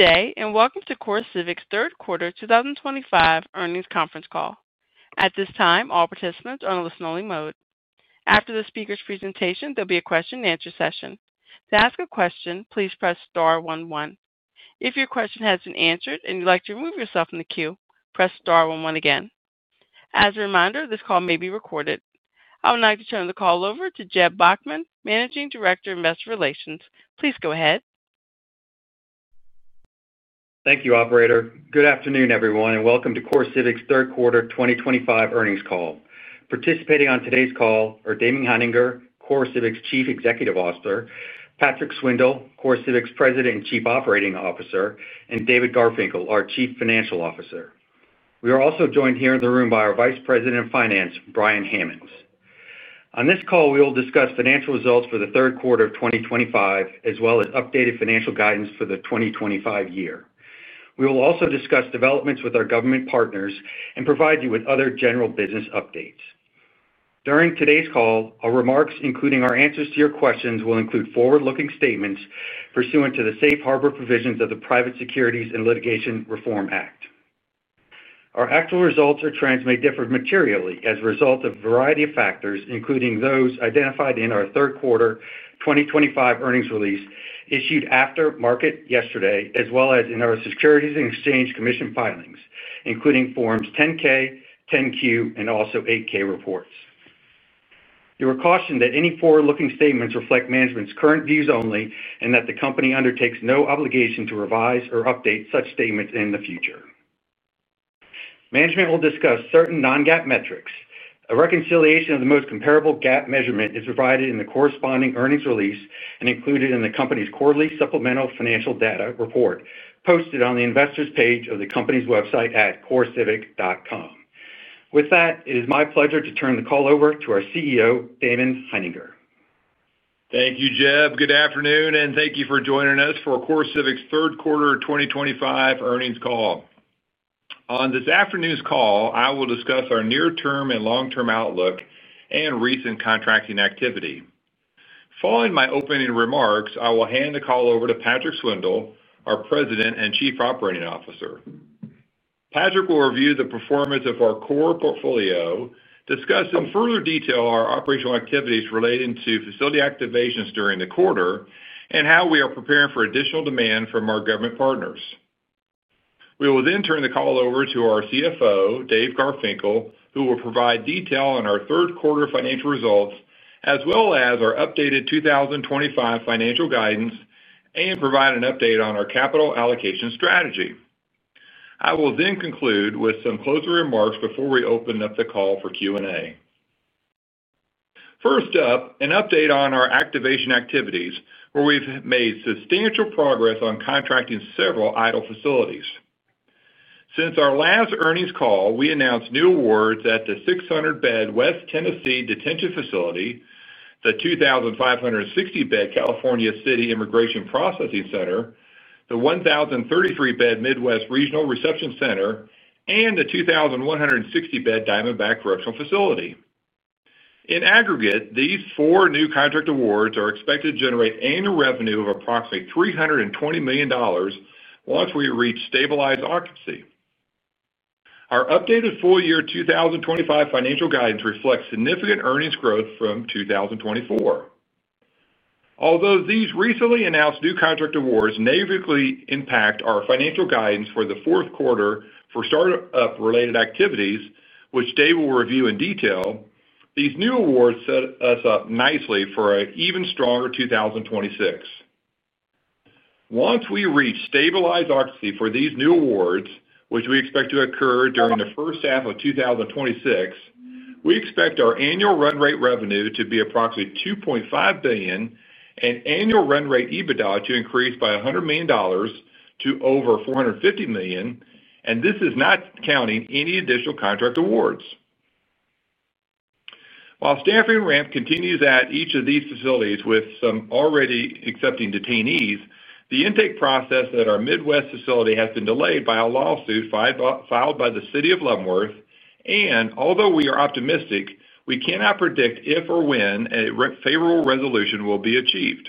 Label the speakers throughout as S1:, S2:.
S1: Good day, and welcome to CoreCivic's third quarter 2025 earnings conference call. At this time, all participants are on a listen-only mode. After the speaker's presentation, there'll be a question-and-answer session. To ask a question, please press star one one. If your question has been answered and you'd like to remove yourself from the queue, press star one one again. As a reminder, this call may be recorded. I would like to turn the call over to Jeb Bachmann, Managing Director of Investor Relations. Please go ahead.
S2: Thank you, Operator. Good afternoon, everyone, and welcome to CoreCivic's third quarter 2025 earnings call. Participating on today's call are Damon Hininger, CoreCivic's Chief Executive Officer; Patrick Swindle, CoreCivic's President and Chief Operating Officer; and David Garfinkle, our Chief Financial Officer. We are also joined here in the room by our Vice President of Finance, Brian Hammonds. On this call, we will discuss financial results for the third quarter of 2025, as well as updated financial guidance for the 2025 year. We will also discuss developments with our government partners and provide you with other general business updates. During today's call, our remarks, including our answers to your questions, will include forward-looking statements pursuant to the safe harbor provisions of the Private Securities and Litigation Reform Act. Our actual results or trends may differ materially as a result of a variety of factors, including those identified in our third quarter 2025 earnings release issued after market yesterday, as well as in our Securities and Exchange Commission filings, including Forms 10-K, 10-Q, and also 8-K reports. You are cautioned that any forward-looking statements reflect management's current views only and that the company undertakes no obligation to revise or update such statements in the future. Management will discuss certain non-GAAP metrics. A reconciliation of the most comparable GAAP measurement is provided in the corresponding earnings release and included in the company's quarterly supplemental financial data report posted on the investors' page of the company's website at CoreCivic.com. With that, it is my pleasure to turn the call over to our CEO, Damon Hininger.
S3: Thank you, Jeb. Good afternoon, and thank you for joining us for CoreCivic's third quarter 2025 earnings call. On this afternoon's call, I will discuss our near-term and long-term outlook and recent contracting activity. Following my opening remarks, I will hand the call over to Patrick Swindle, our President and Chief Operating Officer. Patrick will review the performance of our core portfolio, discuss in further detail our operational activities relating to facility activations during the quarter, and how we are preparing for additional demand from our government partners. We will then turn the call over to our CFO, David Garfinkle, who will provide detail on our third quarter financial results, as well as our updated 2025 financial guidance, and provide an update on our capital allocation strategy. I will then conclude with some closing remarks before we open up the call for Q&A. First up, an update on our activation activities, where we've made substantial progress on contracting several idle facilities. Since our last earnings call, we announced new awards at the 600-bed West Tennessee Detention Facility, the 2,560-bed California City Immigration Processing Center, the 1,033-bed Midwest Regional Reception Center, and the 2,160-bed Diamondback Correctional Facility. In aggregate, these four new contract awards are expected to generate annual revenue of approximately $320 million once we reach stabilized occupancy. Our updated full-year 2025 financial guidance reflects significant earnings growth from 2024. Although these recently announced new contract awards negatively impact our financial guidance for the fourth quarter for startup-related activities, which Dave will review in detail, these new awards set us up nicely for an even stronger 2026. Once we reach stabilized occupancy for these new awards, which we expect to occur during the first half of 2026, we expect our annual run rate revenue to be approximately $2.5 billion and annual run rate EBITDA to increase by $100 million to over $450 million, and this is not counting any additional contract awards. While staffing ramp continues at each of these facilities with some already accepting detainees, the intake process at our Midwest facility has been delayed by a lawsuit filed by the City of Leavenworth, and although we are optimistic, we cannot predict if or when a favorable resolution will be achieved.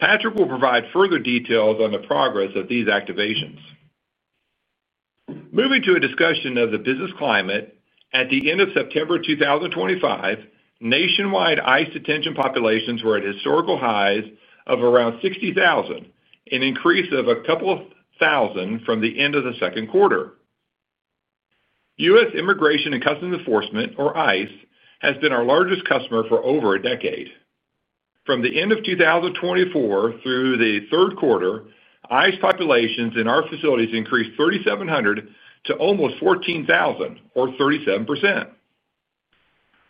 S3: Patrick will provide further details on the progress of these activations. Moving to a discussion of the business climate, at the end of September 2025, nationwide ICE detention populations were at historical highs of around 60,000, an increase of a couple of thousand from the end of the second quarter. U.S. Immigration and Customs Enforcement, or ICE, has been our largest customer for over a decade. From the end of 2024 through the third quarter, ICE populations in our facilities increased 3,700 to almost 14,000, or 37%.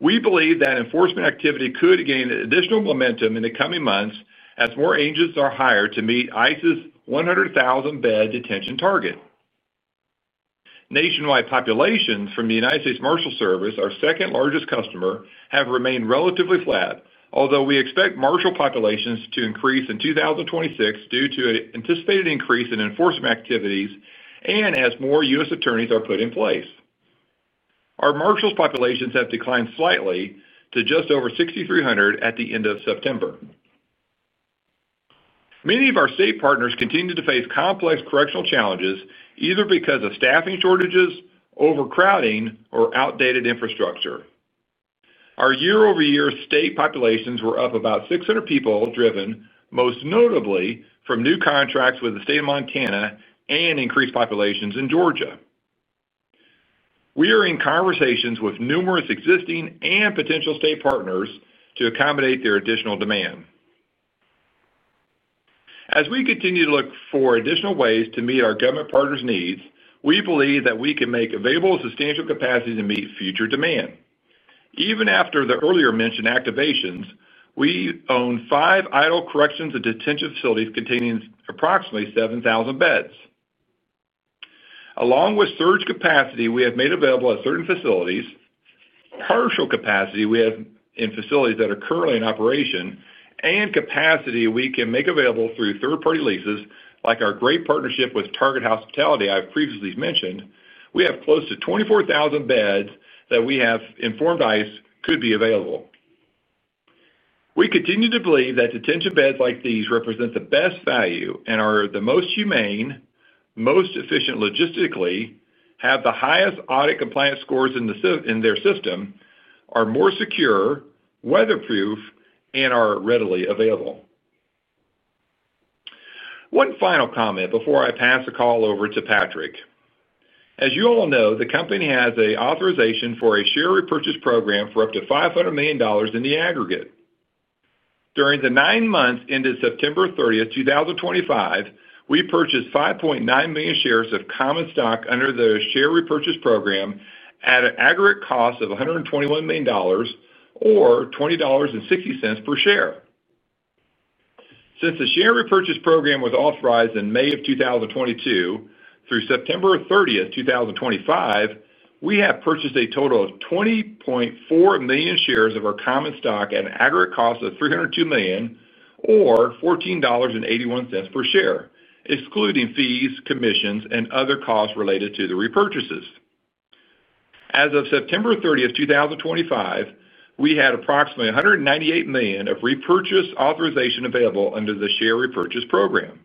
S3: We believe that enforcement activity could gain additional momentum in the coming months as more agents are hired to meet ICE's 100,000-bed detention target. Nationwide populations from the U.S. Marshals Service, our second-largest customer, have remained relatively flat, although we expect marshal populations to increase in 2026 due to an anticipated increase in enforcement activities and as more U.S. attorneys are put in place. Our Marshals populations have declined slightly to just over 6,300 at the end of September. Many of our state partners continue to face complex correctional challenges, either because of staffing shortages, overcrowding, or outdated infrastructure. Our year-over-year state populations were up about 600 people, driven most notably from new contracts with the state of Montana and increased populations in Georgia. We are in conversations with numerous existing and potential state partners to accommodate their additional demand. As we continue to look for additional ways to meet our government partners' needs, we believe that we can make available substantial capacity to meet future demand. Even after the earlier-mentioned activations, we own five idle corrections and detention facilities containing approximately 7,000 beds, along with surge capacity we have made available at certain facilities. Partial capacity we have in facilities that are currently in operation, and capacity we can make available through third-party leases, like our great partnership with Target Hospitality I've previously mentioned, we have close to 24,000 beds that we have informed ICE could be available. We continue to believe that detention beds like these represent the best value and are the most humane, most efficient logistically, have the highest audit compliance scores in their system, are more secure, weatherproof, and are readily available. One final comment before I pass the call over to Patrick. As you all know, the company has an authorization for a share repurchase program for up to $500 million in the aggregate. During the nine months ended September 30th, 2025, we purchased 5.9 million shares of common stock under the share repurchase program at an aggregate cost of $121 million, or $20.60 per share. Since the share repurchase program was authorized in May of 2022 through September 30th, 2025, we have purchased a total of 20.4 million shares of our common stock at an aggregate cost of $302 million, or $14.81 per share, excluding fees, commissions, and other costs related to the repurchases. As of September 30th, 2025, we had approximately $198 million of repurchase authorization available under the share repurchase program.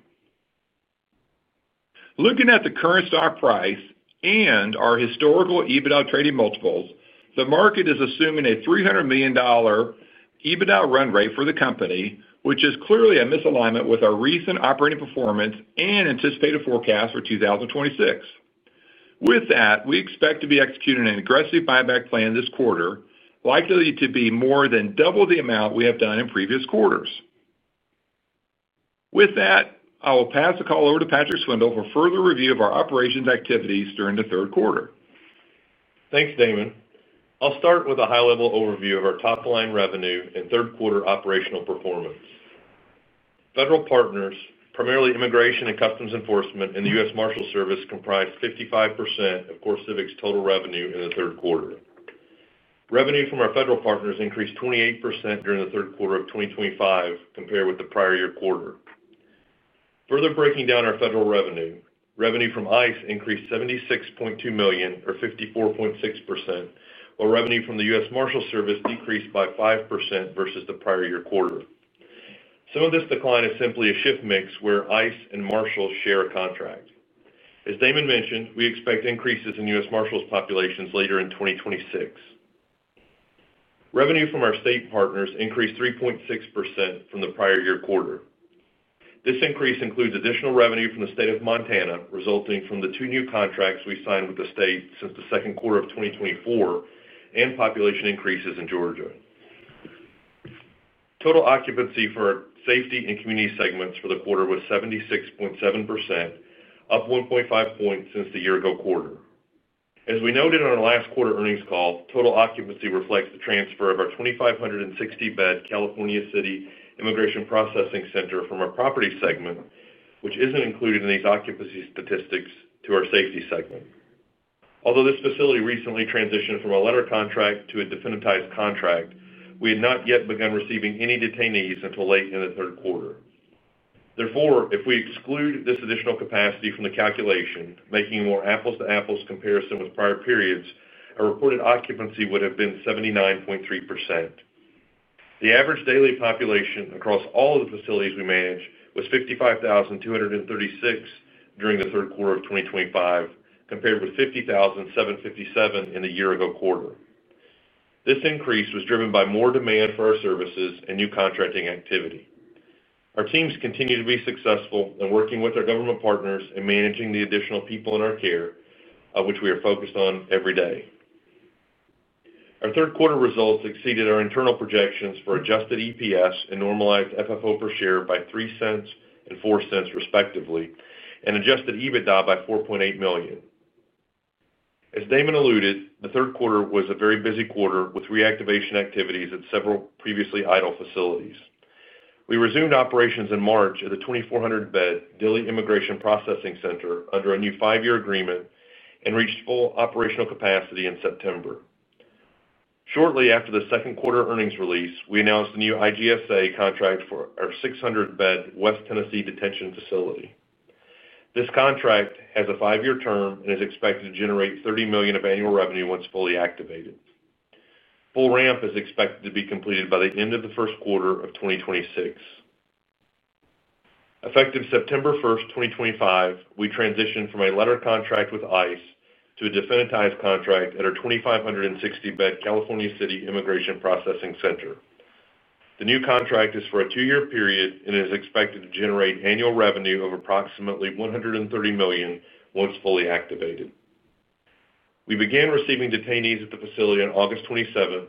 S3: Looking at the current stock price and our historical EBITDA trading multiples, the market is assuming a $300 million EBITDA run rate for the company, which is clearly a misalignment with our recent operating performance and anticipated forecast for 2026. With that, we expect to be executing an aggressive buyback plan this quarter, likely to be more than double the amount we have done in previous quarters. With that, I will pass the call over to Patrick Swindle for further review of our operations activities during the third quarter.
S4: Thanks, Damon. I'll start with a high-level overview of our top-line revenue and third-quarter operational performance. Federal partners, primarily Immigration and Customs Enforcement and the U.S. Marshals Service, comprised 55% of CoreCivic's total revenue in the third quarter. Revenue from our federal partners increased 28% during the third quarter of 2025 compared with the prior year quarter. Further breaking down our federal revenue, revenue from ICE increased $76.2 million, or 54.6%, while revenue from the U.S. Marshals Service decreased by 5% versus the prior year quarter. Some of this decline is simply a shift mix where ICE and Marshals share a contract. As Damon mentioned, we expect increases in U.S. Marshals populations later in 2026. Revenue from our state partners increased 3.6% from the prior year quarter. This increase includes additional revenue from the state of Montana resulting from the two new contracts we signed with the state since the second quarter of 2024 and population increases in Georgia. Total occupancy for safety and community segments for the quarter was 76.7%, up 1.5 percentage points since the year-ago quarter. As we noted on our last quarter earnings call, total occupancy reflects the transfer of our 2,560-bed California City Immigration Processing Center from our property segment, which is not included in these occupancy statistics, to our safety segment. Although this facility recently transitioned from a letter contract to a definitized contract, we had not yet begun receiving any detainees until late in the third quarter. Therefore, if we exclude this additional capacity from the calculation, making a more apples-to-apples comparison with prior periods, our reported occupancy would have been 79.3%. The average daily population across all of the facilities we manage was 55,236 during the third quarter of 2025, compared with 50,757 in the year-ago quarter. This increase was driven by more demand for our services and new contracting activity. Our teams continue to be successful in working with our government partners and managing the additional people in our care, which we are focused on every day. Our third-quarter results exceeded our internal projections for adjusted EPS and normalized FFO per share by $0.03 and $0.04, respectively, and adjusted EBITDA by $4.8 million. As Damon alluded, the third quarter was a very busy quarter with reactivation activities at several previously idle facilities. We resumed operations in March at the 2,400-bed Dilley Immigration Processing Center under a new five-year agreement and reached full operational capacity in September. Shortly after the second quarter earnings release, we announced the new IGSA contract for our 600-bed West Tennessee Detention Facility. This contract has a five-year term and is expected to generate $30 million of annual revenue once fully activated. Full ramp is expected to be completed by the end of the first quarter of 2026. Effective September 1st, 2025, we transitioned from a letter contract with ICE to a definitized contract at our 2,560-bed California City Immigration Processing Center. The new contract is for a two-year period and is expected to generate annual revenue of approximately $130 million once fully activated. We began receiving detainees at the facility on August 27th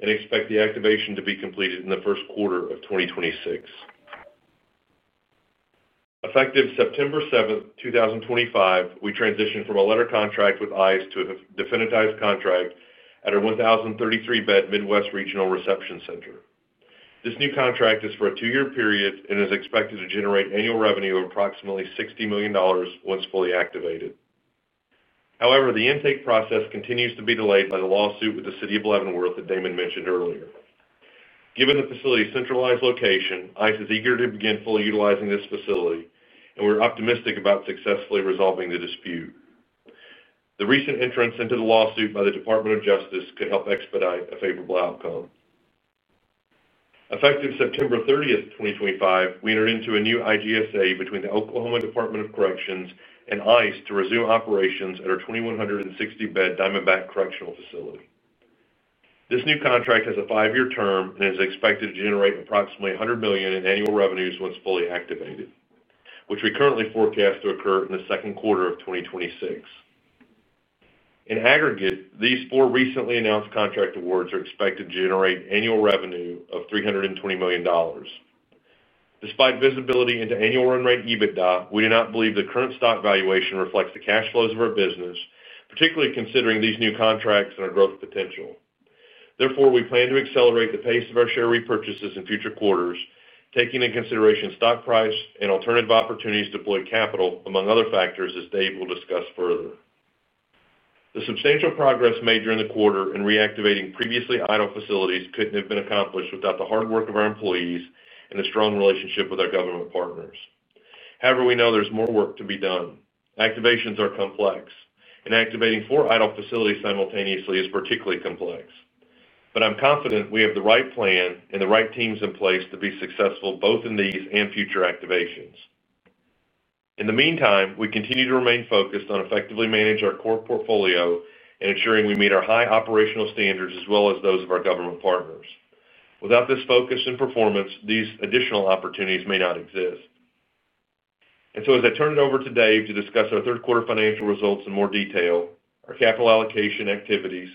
S4: and expect the activation to be completed in the first quarter of 2026. Effective September 7th, 2025, we transitioned from a letter contract with ICE to a definitized contract at our 1,033-bed Midwest Regional Reception Center. This new contract is for a two-year period and is expected to generate annual revenue of approximately $60 million once fully activated. However, the intake process continues to be delayed by the lawsuit with the City of Leavenworth that Damon mentioned earlier. Given the facility's centralized location, ICE is eager to begin fully utilizing this facility, and we're optimistic about successfully resolving the dispute. The recent entrance into the lawsuit by the Department of Justice could help expedite a favorable outcome. Effective September 30th, 2025, we entered into a new IGSA between the Oklahoma Department of Corrections and ICE to resume operations at our 2,160-bed Diamondback Correctional Facility. This new contract has a five-year term and is expected to generate approximately $100 million in annual revenues once fully activated, which we currently forecast to occur in the second quarter of 2026. In aggregate, these four recently announced contract awards are expected to generate annual revenue of $320 million. Despite visibility into annual run rate EBITDA, we do not believe the current stock valuation reflects the cash flows of our business, particularly considering these new contracts and our growth potential. Therefore, we plan to accelerate the pace of our share repurchases in future quarters, taking into consideration stock price and alternative opportunities to deploy capital, among other factors as Dave will discuss further. The substantial progress made during the quarter in reactivating previously idle facilities couldn't have been accomplished without the hard work of our employees and the strong relationship with our government partners. However, we know there's more work to be done. Activations are complex, and activating four idle facilities simultaneously is particularly complex. I'm confident we have the right plan and the right teams in place to be successful both in these and future activations. In the meantime, we continue to remain focused on effectively managing our core portfolio and ensuring we meet our high operational standards as well as those of our government partners. Without this focus and performance, these additional opportunities may not exist. As I turn it over to Dave to discuss our third-quarter financial results in more detail, our capital allocation activities,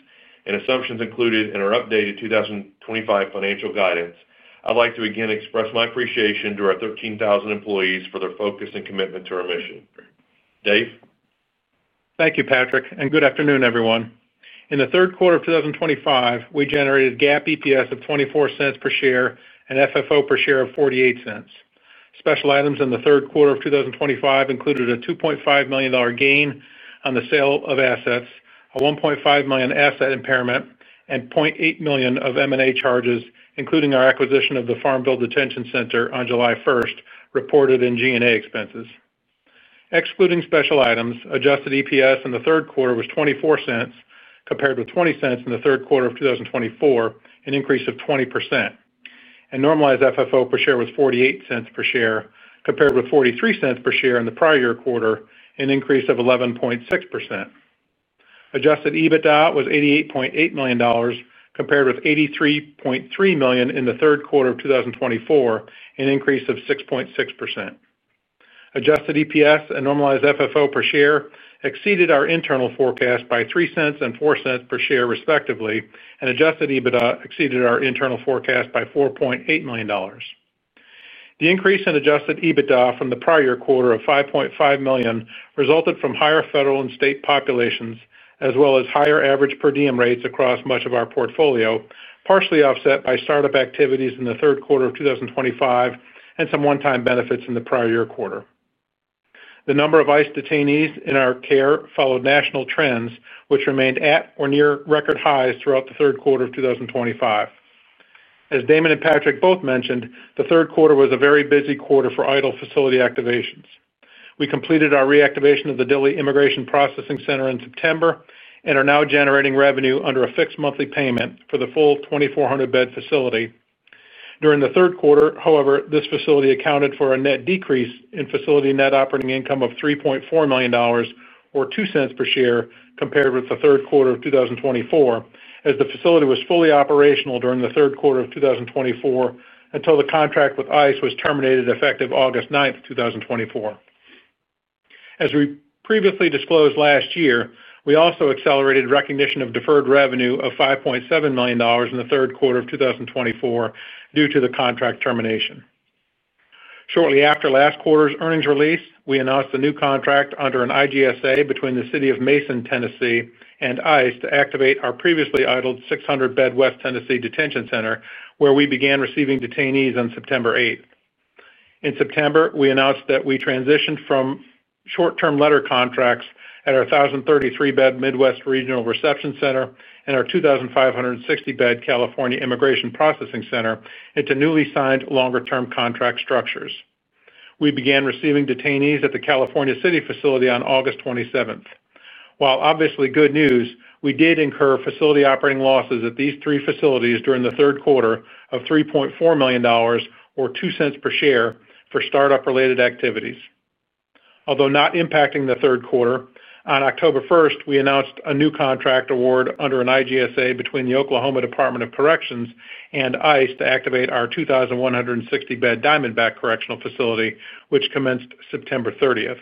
S4: and assumptions included in our updated 2025 financial guidance, I'd like to again express my appreciation to our 13,000 employees for their focus and commitment to our mission. Dave?
S5: Thank you, Patrick. And good afternoon, everyone. In the third quarter of 2025, we generated GAAP EPS of $0.24 per share and FFO per share of $0.48. Special items in the third quarter of 2025 included a $2.5 million gain on the sale of assets, a $1.5 million asset impairment, and $0.8 million of M&A charges, including our acquisition of the Farmville Detention Center on July 1st, reported in G&A expenses. Excluding special items, adjusted EPS in the third quarter was $0.24, compared with $0.20 in the third quarter of 2024, an increase of 20%. Normalized FFO per share was $0.48, compared with $0.43 per share in the prior year quarter, an increase of 11.6%. Adjusted EBITDA was $88.8 million, compared with $83.3 million in the third quarter of 2024, an increase of 6.6%. Adjusted EPS and normalized FFO per share exceeded our internal forecast by $0.03 and $0.04 per share, respectively, and adjusted EBITDA exceeded our internal forecast by $4.8 million. The increase in adjusted EBITDA from the prior year quarter of $5.5 million resulted from higher federal and state populations, as well as higher average per diem rates across much of our portfolio, partially offset by startup activities in the third quarter of 2025 and some one-time benefits in the prior year quarter. The number of ICE detainees in our care followed national trends, which remained at or near record highs throughout the third quarter of 2025. As Damon and Patrick both mentioned, the third quarter was a very busy quarter for idle facility activations. We completed our reactivation of the Dilley Immigration Processing Center in September and are now generating revenue under a fixed monthly payment for the full 2,400-bed facility. During the third quarter, however, this facility accounted for a net decrease in facility net operating income of $3.4 million, or $0.02 per share, compared with the third quarter of 2024, as the facility was fully operational during the third quarter of 2024 until the contract with ICE was terminated, effective August 9th, 2024. As we previously disclosed last year, we also accelerated recognition of deferred revenue of $5.7 million in the third quarter of 2024 due to the contract termination. Shortly after last quarter's earnings release, we announced a new contract under an IGSA between the City of Mason, Tennessee, and ICE to activate our previously idled 600-bed West Tennessee Detention Facility, where we began receiving detainees on September 8. In September, we announced that we transitioned from short-term letter contracts at our 1,033-bed Midwest Regional Reception Center and our 2,560-bed California Immigration Processing Center into newly signed longer-term contract structures. We began receiving detainees at the California City facility on August 27. While obviously good news, we did incur facility operating losses at these three facilities during the third quarter of $3.4 million, or $0.02 per share, for startup-related activities. Although not impacting the third quarter, on October 1, we announced a new contract award under an IGSA between the Oklahoma Department of Corrections and ICE to activate our 2,160-bed Diamondback Correctional Facility, which commenced September 30th.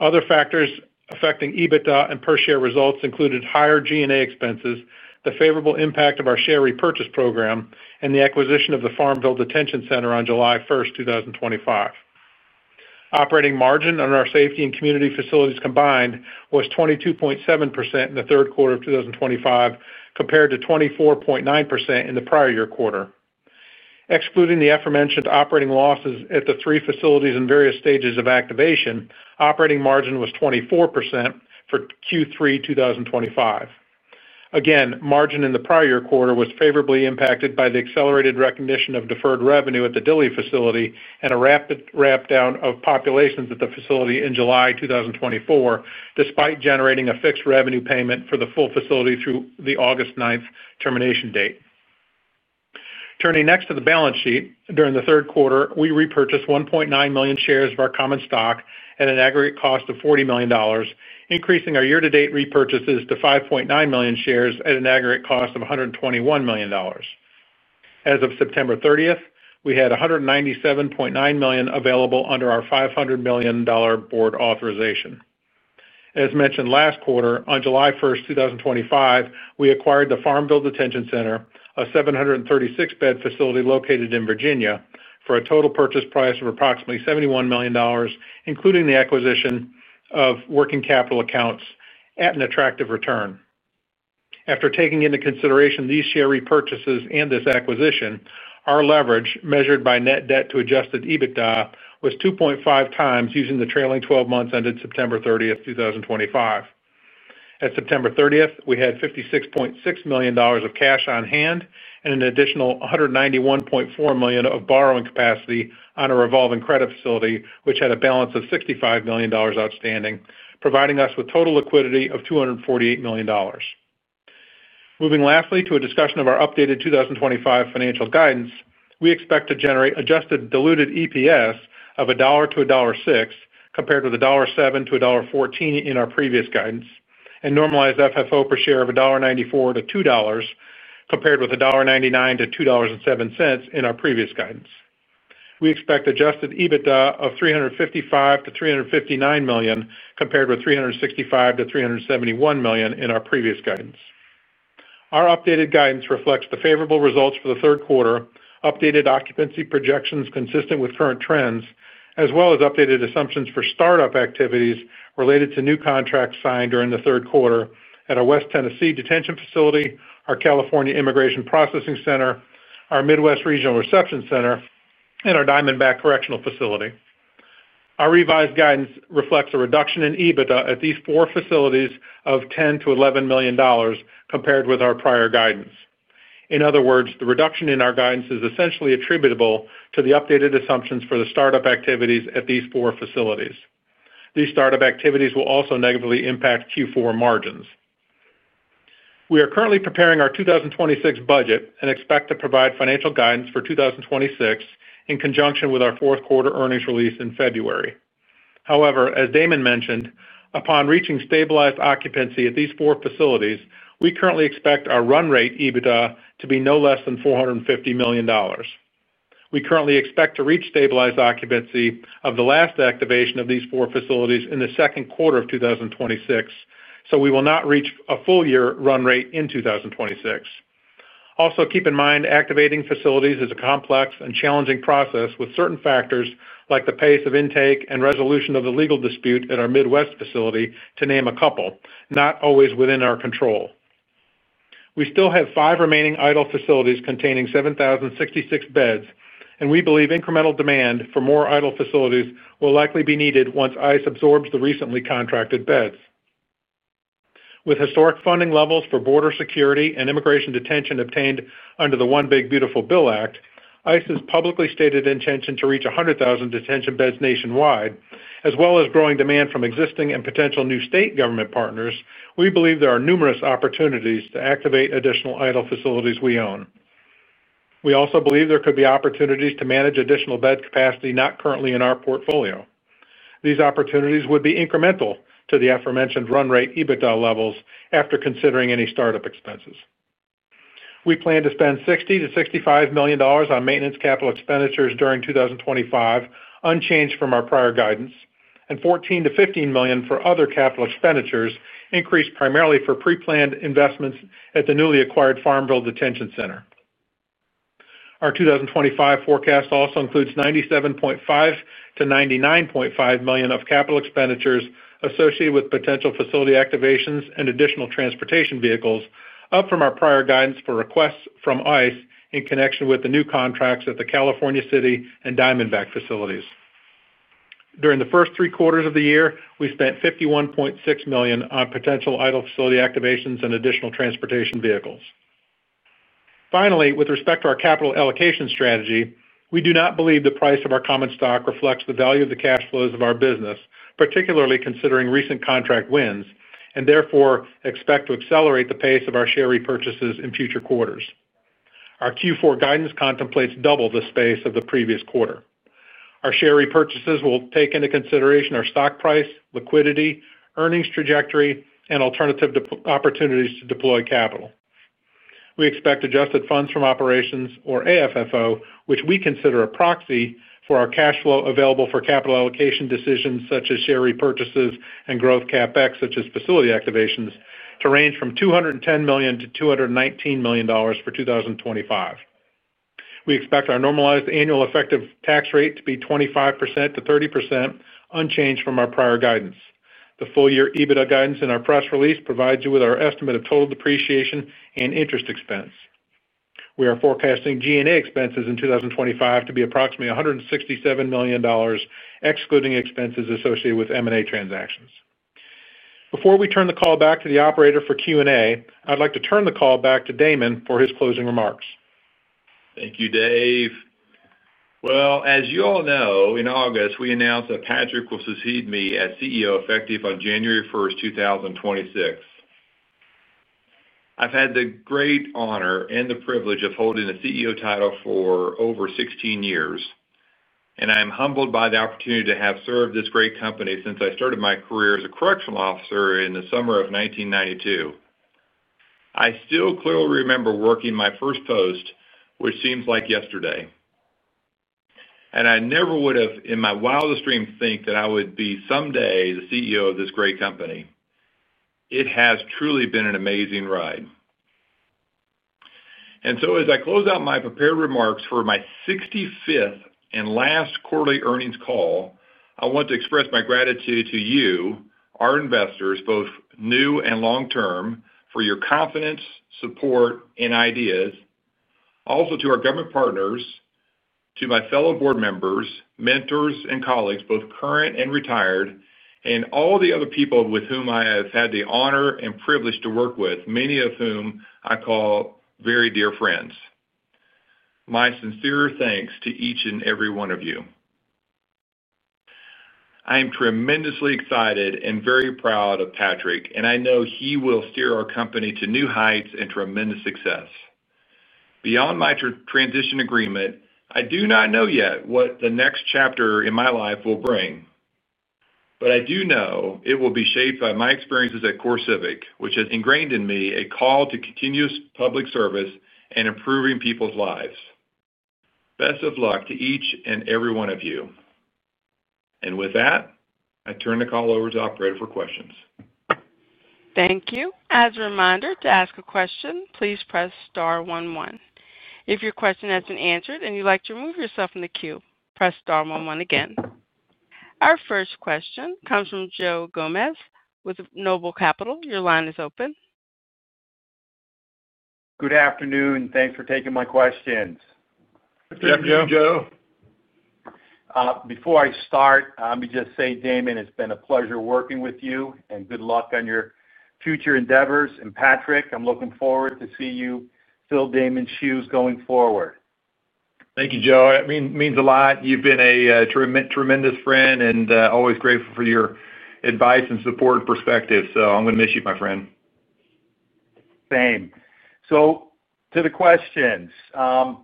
S5: Other factors affecting EBITDA and per share results included higher G&A expenses, the favorable impact of our share repurchase program, and the acquisition of the Farmville Detention Center on July 1st, 2025. Operating margin on our safety and community facilities combined was 22.7% in the third quarter of 2025, compared to 24.9% in the prior year quarter. Excluding the aforementioned operating losses at the three facilities in various stages of activation, operating margin was 24% for Q3 2025. Again, margin in the prior year quarter was favorably impacted by the accelerated recognition of deferred revenue at the Dilley facility and a rapid ramp-down of populations at the facility in July 2024, despite generating a fixed revenue payment for the full facility through the August 9th termination date. Turning next to the balance sheet, during the third quarter, we repurchased 1.9 million shares of our common stock at an aggregate cost of $40 million, increasing our year-to-date repurchases to 5.9 million shares at an aggregate cost of $121 million. As of September 30th, we had $197.9 million available under our $500 million board authorization. As mentioned last quarter, on July 1st, 2025, we acquired the Farmville Detention Center, a 736-bed facility located in Virginia, for a total purchase price of approximately $71 million, including the acquisition of working capital accounts at an attractive return. After taking into consideration these share repurchases and this acquisition, our leverage, measured by net debt to adjusted EBITDA, was 2.5x using the trailing 12 months ended September 30, 2025. At September 30th, we had $56.6 million of cash on hand and an additional $191.4 million of borrowing capacity on a revolving credit facility, which had a balance of $65 million outstanding, providing us with total liquidity of $248 million. Moving lastly to a discussion of our updated 2025 financial guidance, we expect to generate adjusted diluted EPS of $1-$1.06, compared with $1.07-$1.14 in our previous guidance, and normalized FFO per share of $1.94-$2, compared with $1.99-$2.07 in our previous guidance. We expect adjusted EBITDA of $355 million-$359 million, compared with $365 million-$371 million in our previous guidance. Our updated guidance reflects the favorable results for the third quarter, updated occupancy projections consistent with current trends, as well as updated assumptions for startup activities related to new contracts signed during the third quarter at our West Tennessee Detention Facility, our California Immigration Processing Center, our Midwest Regional Reception Center, and our Diamondback Correctional Facility. Our revised guidance reflects a reduction in EBITDA at these four facilities of $10 million-$11 million, compared with our prior guidance. In other words, the reduction in our guidance is essentially attributable to the updated assumptions for the startup activities at these four facilities. These startup activities will also negatively impact Q4 margins. We are currently preparing our 2026 budget and expect to provide financial guidance for 2026 in conjunction with our fourth quarter earnings release in February. However, as Damon mentioned, upon reaching stabilized occupancy at these four facilities, we currently expect our run rate EBITDA to be no less than $450 million. We currently expect to reach stabilized occupancy of the last activation of these four facilities in the second quarter of 2026, so we will not reach a full-year run rate in 2026. Also, keep in mind, activating facilities is a complex and challenging process with certain factors like the pace of intake and resolution of the legal dispute at our Midwest facility, to name a couple, not always within our control. We still have five remaining idle facilities containing 7,066 beds, and we believe incremental demand for more idle facilities will likely be needed once ICE absorbs the recently contracted beds. With historic funding levels for border security and immigration detention obtained under the One Big Beautiful Bill Act, ICE's publicly stated intention to reach 100,000 detention beds nationwide, as well as growing demand from existing and potential new state government partners, we believe there are numerous opportunities to activate additional idle facilities we own. We also believe there could be opportunities to manage additional bed capacity not currently in our portfolio. These opportunities would be incremental to the aforementioned run rate EBITDA levels after considering any startup expenses. We plan to spend $60 million-$65 million on maintenance capital expenditures during 2025, unchanged from our prior guidance, and $14-$15 million for other capital expenditures, increased primarily for pre-planned investments at the newly acquired Farmville Detention Center. Our 2025 forecast also includes $97.5 million-$99.5 million of capital expenditures associated with potential facility activations and additional transportation vehicles, up from our prior guidance for requests from ICE in connection with the new contracts at the California City and Diamondback facilities. During the first three quarters of the year, we spent $51.6 million on potential idle facility activations and additional transportation vehicles. Finally, with respect to our capital allocation strategy, we do not believe the price of our common stock reflects the value of the cash flows of our business, particularly considering recent contract wins, and therefore expect to accelerate the pace of our share repurchases in future quarters. Our Q4 guidance contemplates double the pace of the previous quarter. Our share repurchases will take into consideration our stock price, liquidity, earnings trajectory, and alternative opportunities to deploy capital. We expect adjusted funds from operations, or AFFO, which we consider a proxy for our cash flow available for capital allocation decisions such as share repurchases and growth CapEx such as facility activations, to range from $210 million-$219 million for 2025. We expect our normalized annual effective tax rate to be 25%-30%, unchanged from our prior guidance. The full-year EBITDA guidance in our press release provides you with our estimate of total depreciation and interest expense. We are forecasting G&A expenses in 2025 to be approximately $167 million, excluding expenses associated with M&A transactions. Before we turn the call back to the operator for Q&A, I'd like to turn the call back to Damon for his closing remarks.
S3: Thank you, Dave. As you all know, in August, we announced that Patrick will succeed me as CEO effective on January 1st, 2026. I've had the great honor and the privilege of holding the CEO title for over 16 years, and I am humbled by the opportunity to have served this great company since I started my career as a correctional officer in the summer of 1992. I still clearly remember working my first post, which seems like yesterday. I never would have, in my wildest dreams, thought that I would be someday the CEO of this great company. It has truly been an amazing ride. As I close out my prepared remarks for my 65th and last quarterly earnings call, I want to express my gratitude to you, our investors, both new and long-term, for your confidence, support, and ideas. Also to our government partners, to my fellow board members, mentors, and colleagues, both current and retired, and all the other people with whom I have had the honor and privilege to work with, many of whom I call very dear friends. My sincere thanks to each and every one of you. I am tremendously excited and very proud of Patrick, and I know he will steer our company to new heights and tremendous success. Beyond my transition agreement, I do not know yet what the next chapter in my life will bring. I do know it will be shaped by my experiences at CoreCivic, which has ingrained in me a call to continuous public service and improving people's lives. Best of luck to each and every one of you. With that, I turn the call over to the operator for questions.
S1: Thank you. As a reminder, to ask a question, please press star one one. If your question has been answered and you'd like to remove yourself from the queue, press star one one again. Our first question comes from Joe Gomes with Noble Capital. Your line is open.
S6: Good afternoon. Thanks for taking my questions.
S3: Good afternoon, Joe.
S6: Before I start, let me just say, Damon, it's been a pleasure working with you, and good luck on your future endeavors. Patrick, I'm looking forward to seeing you fill Damon's shoes going forward.
S3: Thank you, Joe. It means a lot. You've been a tremendous friend and always grateful for your advice and support and perspective. I'm going to miss you, my friend.
S6: Same. To the questions. Obviously,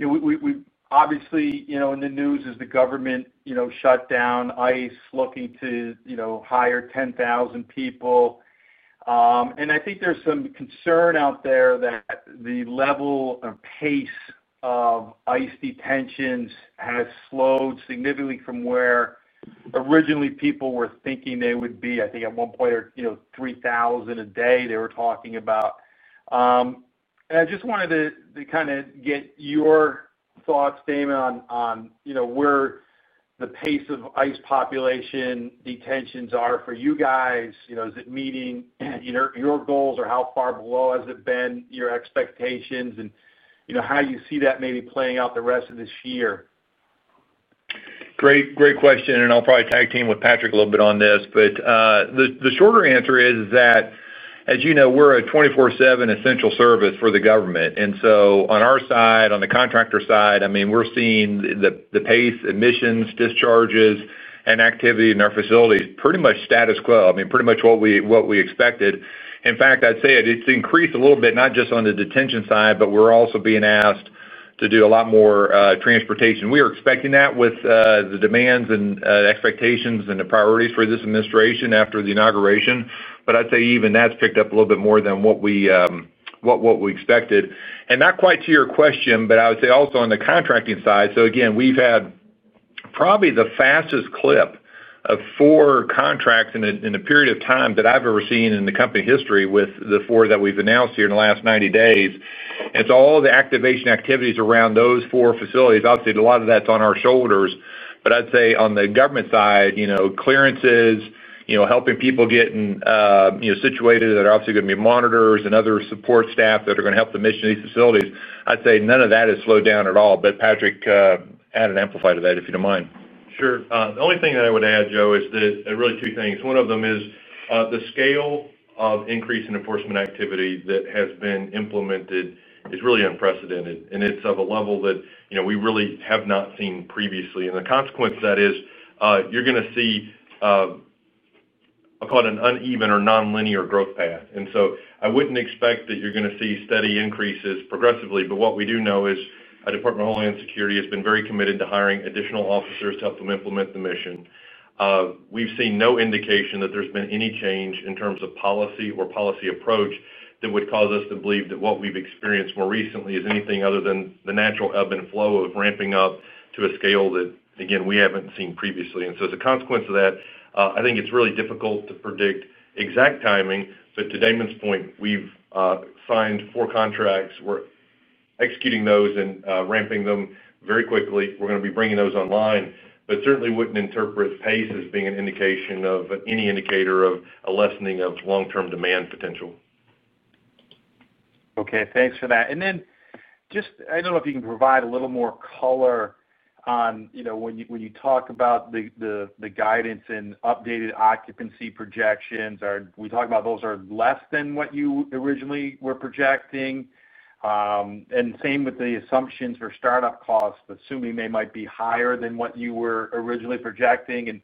S6: in the news is the government shutdown, ICE looking to hire 10,000 people. I think there's some concern out there that the level and pace of ICE detentions has slowed significantly from where originally people were thinking they would be. I think at one point, 3,000 a day, they were talking about. I just wanted to kind of get your thoughts, Damon, on where the pace of ICE population detentions are for you guys. Is it meeting your goals, or how far below has it been your expectations, and how you see that maybe playing out the rest of this year?
S3: Great question. I'll probably tag team with Patrick a little bit on this. The shorter answer is that, as you know, we're a 24/7 essential service for the government. On our side, on the contractor side, I mean, we're seeing the pace, admissions, discharges, and activity in our facilities pretty much status quo, I mean, pretty much what we expected. In fact, I'd say it's increased a little bit, not just on the detention side, but we're also being asked to do a lot more transportation. We are expecting that with the demands and expectations and the priorities for this administration after the inauguration. I'd say even that's picked up a little bit more than what we expected. Not quite to your question, but I would say also on the contracting side. Again, we've had probably the fastest clip of four contracts in the period of time that I've ever seen in the company history with the four that we've announced here in the last 90 days. It's all the activation activities around those four facilities. Obviously, a lot of that's on our shoulders. I'd say on the government side, clearances, helping people getting situated that are obviously going to be monitors and other support staff that are going to help the mission of these facilities, I'd say none of that has slowed down at all. Patrick, add and amplify that, if you don't mind.
S4: Sure. The only thing that I would add, Joe, is really two things. One of them is the scale of increase in enforcement activity that has been implemented is really unprecedented. It is of a level that we really have not seen previously. The consequence of that is you're going to see, I'll call it, an uneven or non-linear growth path. I would not expect that you're going to see steady increases progressively. What we do know is our Department of Homeland Security has been very committed to hiring additional officers to help them implement the mission. We've seen no indication that there has been any change in terms of policy or policy approach that would cause us to believe that what we've experienced more recently is anything other than the natural ebb and flow of ramping up to a scale that, again, we have not seen previously. As a consequence of that, I think it's really difficult to predict exact timing. To Damon's point, we've signed four contracts. We're executing those and ramping them very quickly. We're going to be bringing those online. Certainly wouldn't interpret pace as being an indication of any indicator of a lessening of long-term demand potential.
S6: Okay. Thanks for that. I don't know if you can provide a little more color on when you talk about the guidance and updated occupancy projections, we talk about those are less than what you originally were projecting. Same with the assumptions for startup costs, assuming they might be higher than what you were originally projecting.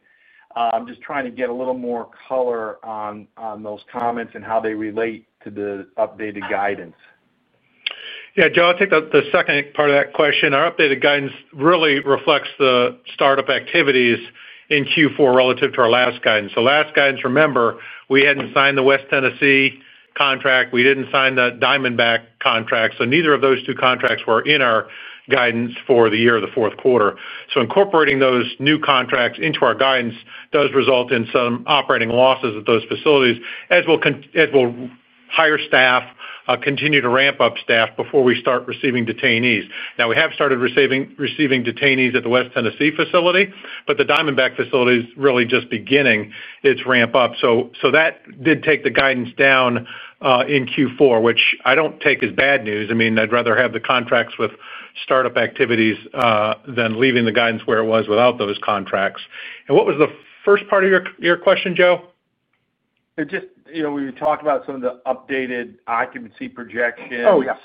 S6: I'm just trying to get a little more color on those comments and how they relate to the updated guidance.
S5: Yeah. Joe, I'll take the second part of that question. Our updated guidance really reflects the startup activities in Q4 relative to our last guidance. Last guidance, remember, we hadn't signed the West Tennessee contract. We didn't sign the Diamondback contract. Neither of those two contracts were in our guidance for the year or the fourth quarter. Incorporating those new contracts into our guidance does result in some operating losses at those facilities, as well as higher staff, continue to ramp up staff before we start receiving detainees. Now, we have started receiving detainees at the West Tennessee facility, but the Diamondback facility is really just beginning its ramp-up. That did take the guidance down in Q4, which I don't take as bad news. I mean, I'd rather have the contracts with startup activities than leaving the guidance where it was without those contracts. What was the first part of your question, Joe?
S6: We talked about some of the updated occupancy projections.
S5: Oh, yes.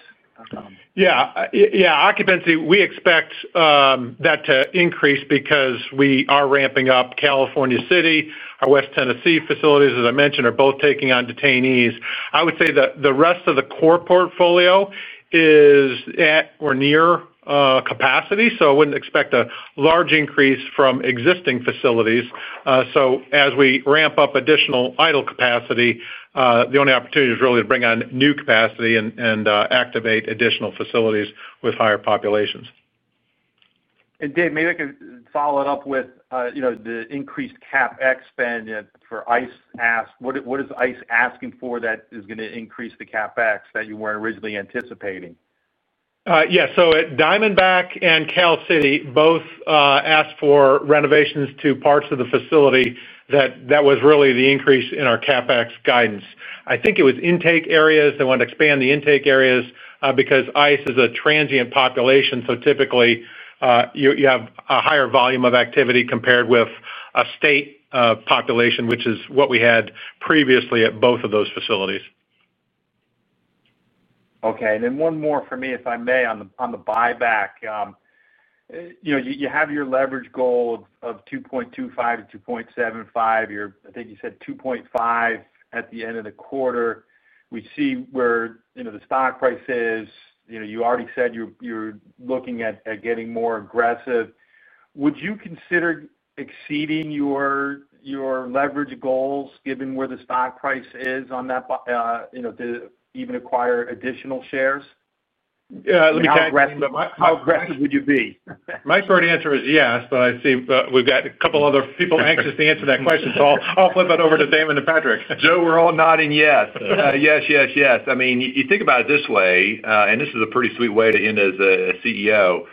S5: Yeah. Yeah. Occupancy, we expect that to increase because we are ramping up California City. Our West Tennessee facilities, as I mentioned, are both taking on detainees. I would say that the rest of the core portfolio is at or near capacity. I would not expect a large increase from existing facilities. As we ramp up additional idle capacity, the only opportunity is really to bring on new capacity and activate additional facilities with higher populations.
S6: David, maybe I can follow it up with the increased CapEx spend for ICE. What is ICE asking for that is going to increase the CapEx that you were not originally anticipating?
S5: Yeah. At Diamondback and Cal City, both asked for renovations to parts of the facility. That was really the increase in our CapEx guidance. I think it was intake areas. They wanted to expand the intake areas because ICE is a transient population. Typically, you have a higher volume of activity compared with a state population, which is what we had previously at both of those facilities.
S6: Okay. One more for me, if I may, on the buyback. You have your leverage goal of 2.25-2.75. I think you said 2.5 at the end of the quarter. We see where the stock price is. You already said you're looking at getting more aggressive. Would you consider exceeding your leverage goals given where the stock price is on that to even acquire additional shares? Yeah. Let me tell you, how aggressive would you be?
S5: My short answer is yes, but I see we've got a couple of other people anxious to answer that question. I'll flip it over to Damon and Patrick.
S3: Joe, we're all nodding yes. Yes, yes, yes. I mean, you think about it this way, and this is a pretty sweet way to end as a CEO.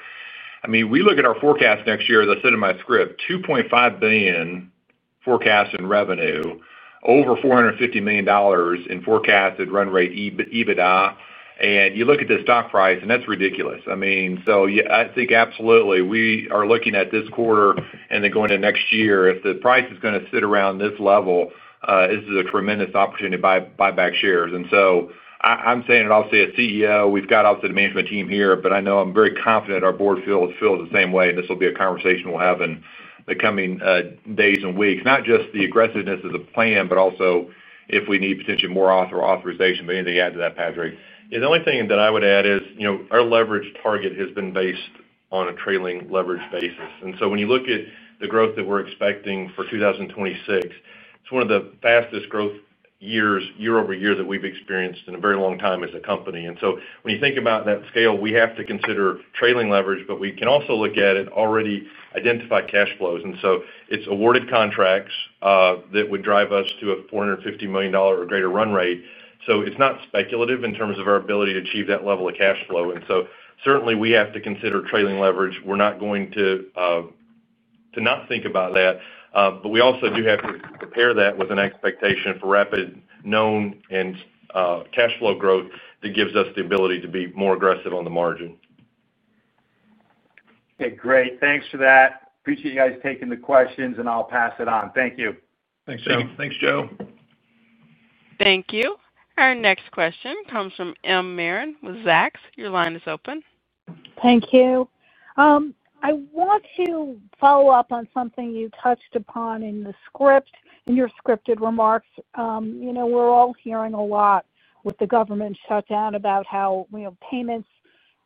S3: I mean, we look at our forecast next year, as I said in my script, $2.5 billion forecast in revenue, over $450 million in forecasted run rate EBITDA. You look at the stock price, and that's ridiculous. I mean, I think absolutely we are looking at this quarter and then going to next year. If the price is going to sit around this level, this is a tremendous opportunity to buy back shares. I'm saying it obviously as CEO. We've got obviously the management team here, but I know I'm very confident our board feels the same way. This will be a conversation we'll have in the coming days and weeks, not just the aggressiveness of the plan, but also if we need potentially more authorization. Anything to add to that, Patrick? The only thing that I would add is our leverage target has been based on a trailing leverage basis. When you look at the growth that we're expecting for 2026, it's one of the fastest growth years year-over-year that we've experienced in a very long time as a company. When you think about that scale, we have to consider trailing leverage, but we can also look at already identified cash flows. It's awarded contracts that would drive us to a $450 million or greater run rate. It's not speculative in terms of our ability to achieve that level of cash flow. Certainly, we have to consider trailing leverage. We're not going to not think about that. We also do have to prepare that with an expectation for rapid known and cash flow growth that gives us the ability to be more aggressive on the margin.
S6: Okay. Great. Thanks for that. Appreciate you guys taking the questions, and I'll pass it on. Thank you.
S3: Thanks, Joe.
S5: Thanks, Joe.
S1: Thank you. Our next question comes from M. Marin with Zacks. Your line is open.
S7: Thank you. I want to follow up on something you touched upon in your scripted remarks. We're all hearing a lot with the government shutdown about how payments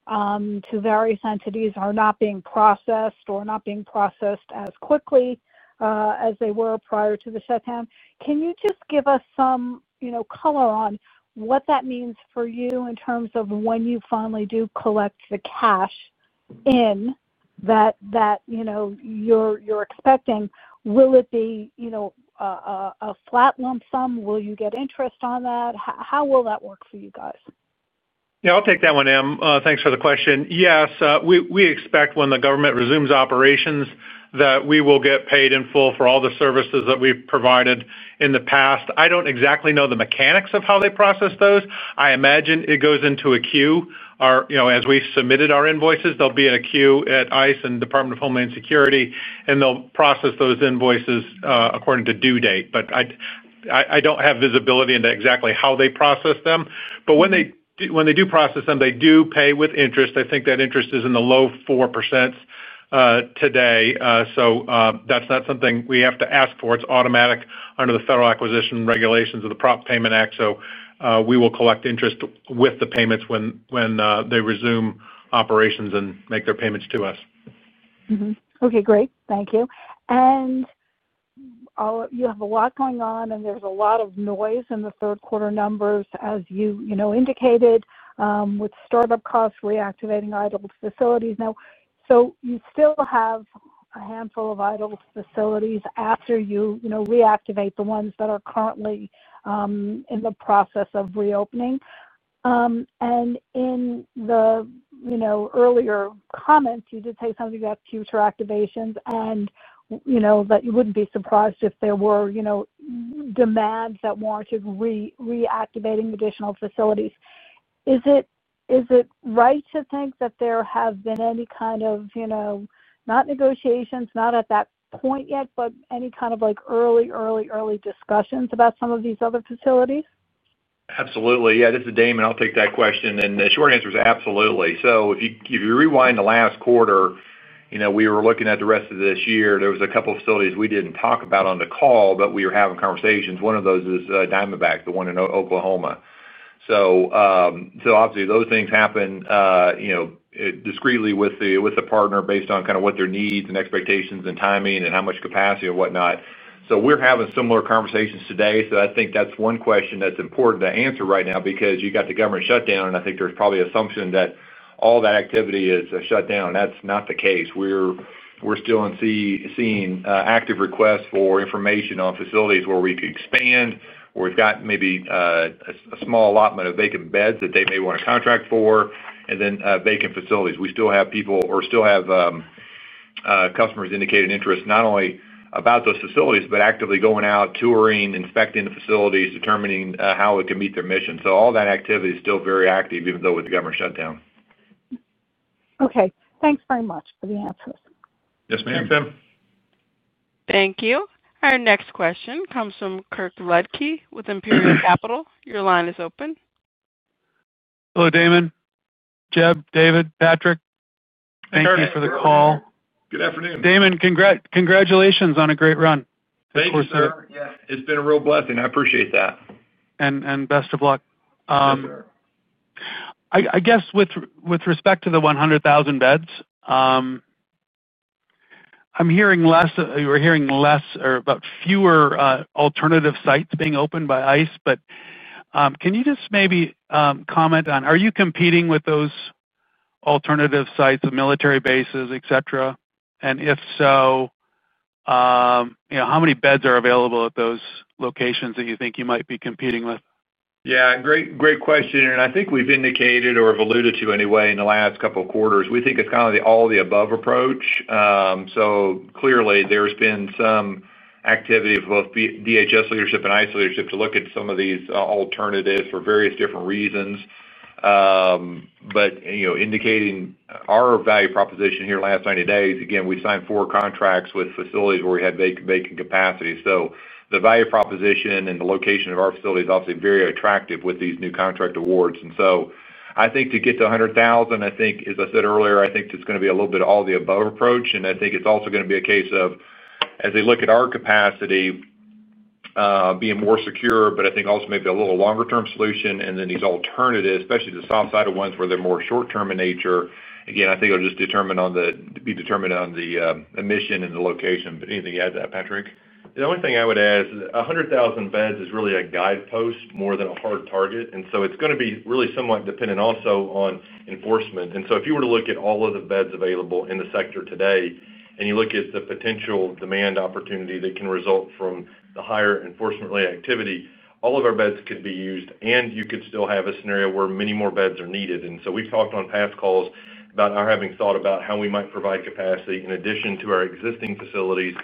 S7: to various entities are not being processed or not being processed as quickly as they were prior to the shutdown. Can you just give us some. Color on what that means for you in terms of when you finally do collect the cash. In that. You're expecting? Will it be. A flat lump sum? Will you get interest on that? How will that work for you guys?
S5: Yeah. I'll take that one, M. Thanks for the question. Yes. We expect when the government resumes operations that we will get paid in full for all the services that we've provided in the past. I don't exactly know the mechanics of how they process those. I imagine it goes into a queue. As we submitted our invoices, they'll be in a queue at ICE and Department of Homeland Security, and they'll process those invoices according to due date. I don't have visibility into exactly how they process them. When they do process them, they do pay with interest. I think that interest is in the low 4% today. That is not something we have to ask for. It is automatic under the federal acquisition regulations of the Prompt Payment Act. We will collect interest with the payments when they resume operations and make their payments to us.
S7: Okay. Great. Thank you. You have a lot going on, and there is a lot of noise in the third quarter numbers, as you indicated, with startup costs reactivating idle facilities. You still have a handful of idle facilities after you reactivate the ones that are currently in the process of reopening. In the earlier comments, you did say something about future activations and that you would not be surprised if there were demands that warranted reactivating additional facilities. Is it right to think that there have been any kind of. Not negotiations, not at that point yet, but any kind of early, early, early discussions about some of these other facilities?
S3: Absolutely. Yeah. This is Damon. I'll take that question. And the short answer is absolutely. If you rewind the last quarter, we were looking at the rest of this year. There was a couple of facilities we didn't talk about on the call, but we were having conversations. One of those is Diamondback, the one in Oklahoma. Obviously, those things happen discreetly with the partner based on kind of what their needs and expectations and timing and how much capacity and whatnot. We're having similar conversations today. I think that's one question that's important to answer right now because you got the government shutdown, and I think there's probably an assumption that all that activity is a shutdown. That's not the case. We're still seeing active requests for information on facilities where we could expand, where we've got maybe a small allotment of vacant beds that they may want to contract for, and then vacant facilities. We still have people or still have customers indicating interest not only about those facilities, but actively going out, touring, inspecting the facilities, determining how it can meet their mission. All that activity is still very active, even though with the government shutdown.
S7: Okay. Thanks very much for the answers.
S3: Yes, ma'am.
S1: Thank you. Our next question comes from Kirk Ludtke with Imperial Capital. Your line is open.
S8: Hello, Damon, Jeb, David, Patrick. Thank you for the call.
S3: Good afternoon.
S8: Damon, congratulations on a great run.
S3: Thank you for. It's been a real blessing. I appreciate that.
S8: And best of luck. I guess with respect to the 100,000 beds. We're hearing less or about fewer alternative sites being opened by ICE. But can you just maybe comment on, are you competing with those alternative sites, the military bases, etc.? And if so, how many beds are available at those locations that you think you might be competing with?
S3: Yeah. Great question. I think we've indicated or have alluded to anyway in the last couple of quarters. We think it's kind of the all-the-above approach. Clearly, there's been some activity of both DHS leadership and ICE leadership to look at some of these alternatives for various different reasons. Indicating our value proposition here, last 90 days, again, we signed four contracts with facilities where we had vacant capacity. The value proposition and the location of our facility is obviously very attractive with these new contract awards. I think to get to 100,000, as I said earlier, it's going to be a little bit of all-the-above approach. I think it's also going to be a case of, as they look at our capacity, being more secure, but I think also maybe a little longer-term solution. These alternatives, especially the soft-sided ones where they're more short-term in nature, again, it'll just be determined on the mission and the location. Anything to add to that, Patrick?
S4: The only thing I would add is 100,000 beds is really a guidepost more than a hard target. It's going to be really somewhat dependent also on enforcement. If you were to look at all of the beds available in the sector today and you look at the potential demand opportunity that can result from the higher enforcement-related activity, all of our beds could be used, and you could still have a scenario where many more beds are needed. We have talked on past calls about our having thought about how we might provide capacity in addition to our existing facilities,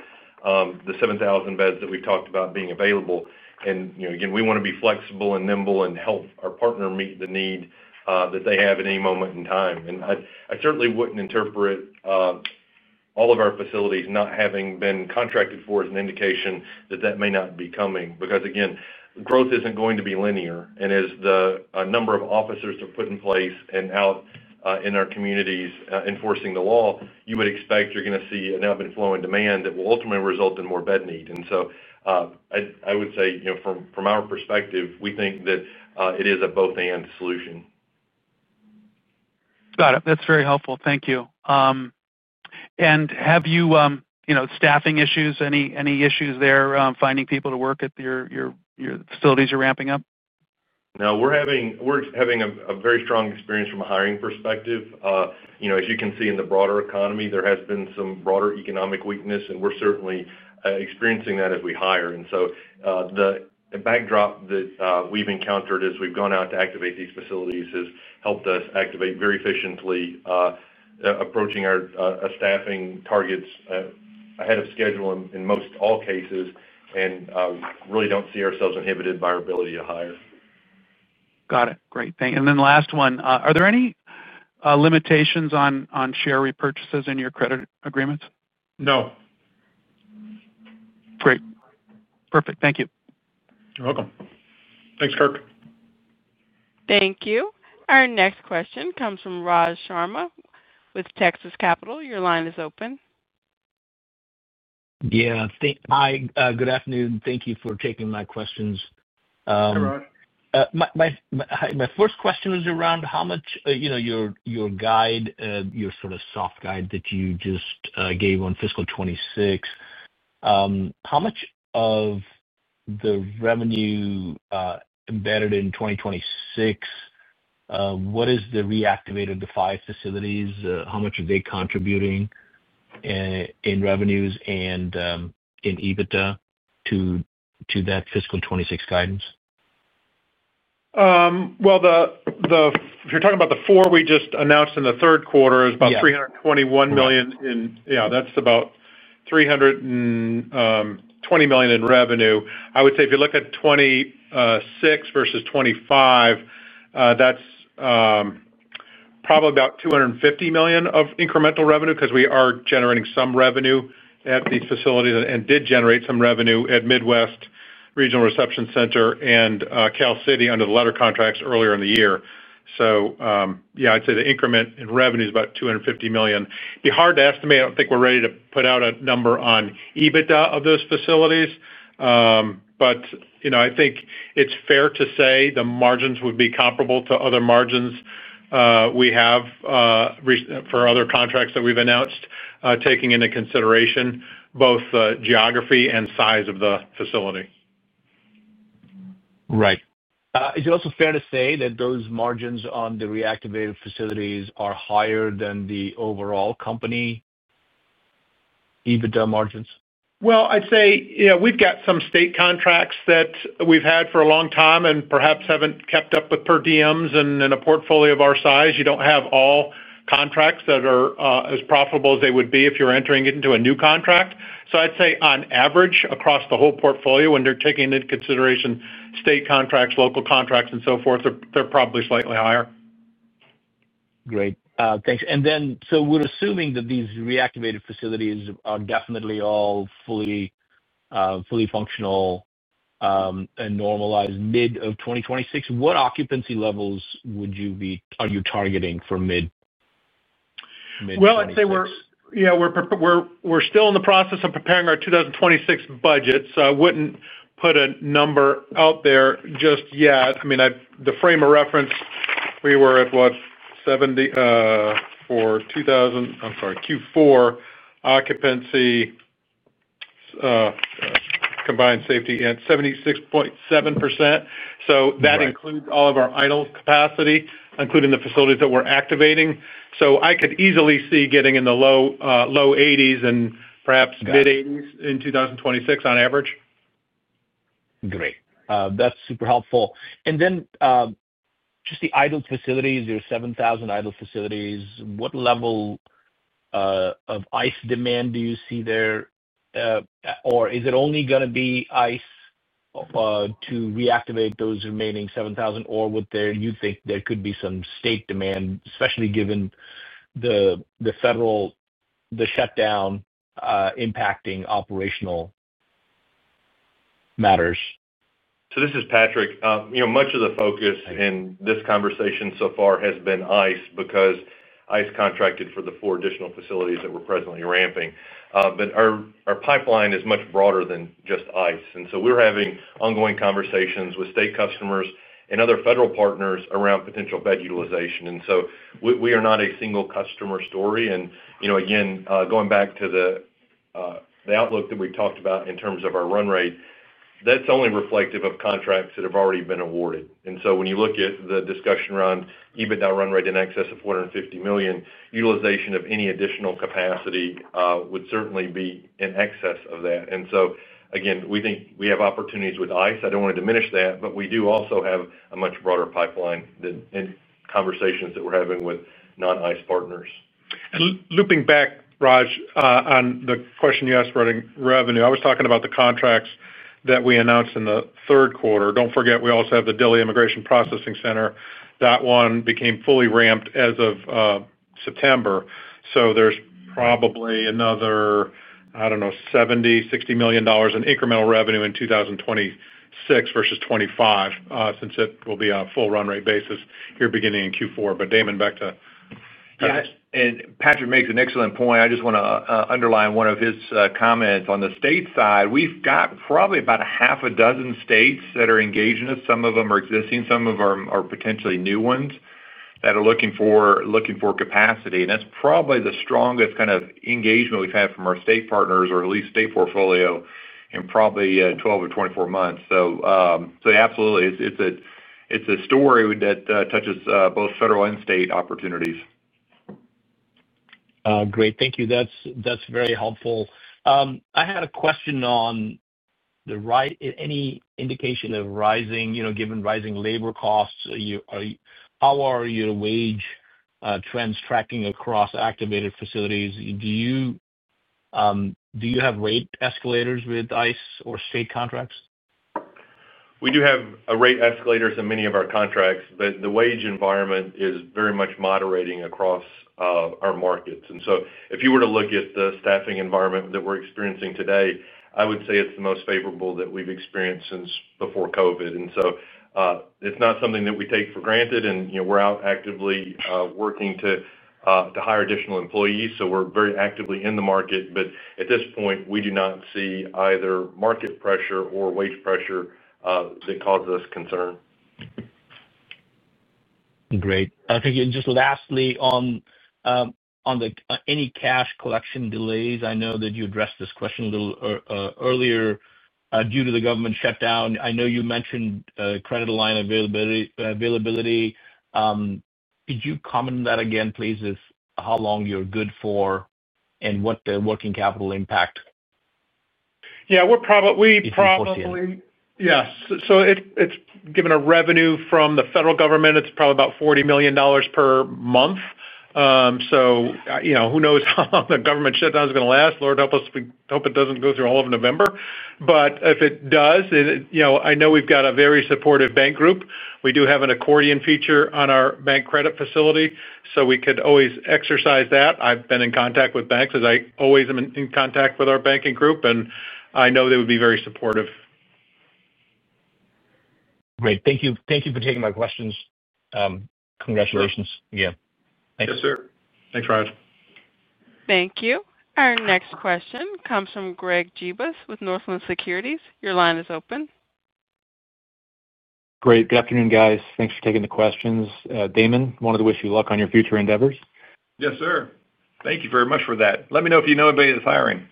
S4: the 7,000 beds that we have talked about being available. We want to be flexible and nimble and help our partner meet the need that they have at any moment in time. I certainly would not interpret all of our facilities not having been contracted for as an indication that that may not be coming because, again, growth is not going to be linear. As the number of officers to put in place and out in our communities enforcing the law, you would expect you're going to see an up-and-flowing demand that will ultimately result in more bed need. I would say from our perspective, we think that it is a both-and solution.
S8: Got it. That's very helpful. Thank you. Have you, staffing issues, any issues there finding people to work at your facilities you're ramping up?
S4: No, we're having a very strong experience from a hiring perspective. As you can see in the broader economy, there has been some broader economic weakness, and we're certainly experiencing that as we hire. The backdrop that we've encountered as we've gone out to activate these facilities has helped us activate very efficiently. Approaching our staffing targets ahead of schedule in most all cases and really do not see ourselves inhibited by our ability to hire.
S8: Got it. Great. Thank you. And then last one, are there any limitations on share repurchases in your credit agreements?
S3: No.
S8: Great. Perfect. Thank you.
S3: You're welcome. Thanks, Kirk.
S1: Thank you. Our next question comes from Raj Sharma with Texas Capital. Your line is open.
S9: Yeah. Hi. Good afternoon. Thank you for taking my questions.
S3: Hi, Raj.
S9: My first question was around how much your guide, your sort of soft guide that you just gave on fiscal 2026. How much of the revenue embedded in 2026, what is the reactivated of the five facilities? How much are they contributing in revenues and in EBITDA to that fiscal 2026 guidance?
S5: If you're talking about the four we just announced in the third quarter, it's about $321 million. Yeah, that's about $320 million in revenue. I would say if you look at 2026 versus 2025. That's probably about $250 million of incremental revenue because we are generating some revenue at these facilities and did generate some revenue at Midwest Regional Reception Center and Cal City under the letter contracts earlier in the year. Yeah, I'd say the increment in revenue is about $250 million. It'd be hard to estimate. I don't think we're ready to put out a number on EBITDA of those facilities. I think it's fair to say the margins would be comparable to other margins we have for other contracts that we've announced, taking into consideration both geography and size of the facility.
S9: Right. Is it also fair to say that those margins on the reactivated facilities are higher than the overall company EBITDA margins?
S3: I'd say we've got some state contracts that we've had for a long time and perhaps haven't kept up with per diems. In a portfolio of our size, you don't have all contracts that are as profitable as they would be if you're entering into a new contract. I'd say on average, across the whole portfolio, when they're taking into consideration state contracts, local contracts, and so forth, they're probably slightly higher.
S9: Great. Thanks. We're assuming that these reactivated facilities are definitely all fully functional and normalized mid of 2026. What occupancy levels would you be targeting for mid 2026?
S5: I'd say we're still in the process of preparing our 2026 budget. I wouldn't put a number out there just yet. I mean, the frame of reference we were at was for 2000, I'm sorry, Q4 occupancy, combined safety at 76.7%. That includes all of our idle capacity, including the facilities that we're activating. I could easily see getting in the low 80s and perhaps mid 80s in 2026 on average.
S9: Great. That's super helpful. Just the idle facilities, your 7,000 idle facilities, what level of ICE demand do you see there? Or is it only going to be ICE to reactivate those remaining 7,000? Or do you think there could be some state demand, especially given the federal shutdown impacting operational matters?
S4: This is Patrick. Much of the focus in this conversation so far has been ICE because ICE contracted for the four additional facilities that we're presently ramping. Our pipeline is much broader than just ICE. We are having ongoing conversations with state customers and other federal partners around potential bed utilization. We are not a single customer story. Again, going back to the outlook that we talked about in terms of our run rate, that's only reflective of contracts that have already been awarded. When you look at the discussion around EBITDA run rate in excess of $450 million, utilization of any additional capacity would certainly be in excess of that. We think we have opportunities with ICE. I don't want to diminish that, but we do also have a much broader pipeline and conversations that we're having with non-ICE partners.
S5: Looping back, Raj, on the question you asked regarding revenue, I was talking about the contracts that we announced in the third quarter. Don't forget, we also have the Dilley Immigration Processing Center. That one became fully ramped as of September. There's probably another, I don't know, $70 million-$60 million in incremental revenue in 2026 versus 2025 since it will be a full run rate basis here beginning in Q4.
S3: Damon, back to. Patrick makes an excellent point. I just want to underline one of his comments on the state side. We've got probably about half a dozen states that are engaging us. Some of them are existing. Some of them are potentially new ones that are looking for capacity. That's probably the strongest kind of engagement we've had from our state partners or at least state portfolio in probably 12 or 24 months. Absolutely, it's a story that touches both federal and state opportunities.
S9: Great. Thank you. That's very helpful. I had a question on the. Any indication of rising, given rising labor costs? How are your wage trends tracking across activated facilities? Do you have rate escalators with ICE or state contracts?
S3: We do have rate escalators in many of our contracts, but the wage environment is very much moderating across our markets. If you were to look at the staffing environment that we're experiencing today, I would say it's the most favorable that we've experienced since before COVID. It is not something that we take for granted. We're out actively working to hire additional employees. We're very actively in the market. At this point, we do not see either market pressure or wage pressure that causes us concern.
S9: Great. I think just lastly on any cash collection delays. I know that you addressed this question a little earlier due to the government shutdown. I know you mentioned credit line availability. Could you comment on that again, please, is how long you're good for and what the working capital impact?
S5: Yeah. We're probably. Yes. So given our revenue from the federal government, it's probably about $40 million per month. Who knows how long the government shutdown is going to last? Lord help us. We hope it doesn't go through all of November. If it does, I know we've got a very supportive bank group. We do have an accordion feature on our bank credit facility, so we could always exercise that. I've been in contact with banks as I always am in contact with our banking group, and I know they would be very supportive.
S9: Great. Thank you. Thank you for taking my questions. Congratulations. Yeah. Thanks.
S3: Yes, sir. Thanks, Raj.
S1: Thank you. Our next question comes from Greg Gibas with Northland Securities. Your line is open. Great.
S10: Good afternoon, guys. Thanks for taking the questions. Damon, wanted to wish you luck on your future endeavors. Yes, sir. Thank you very much for that. Let me know if you know anybody that's hiring.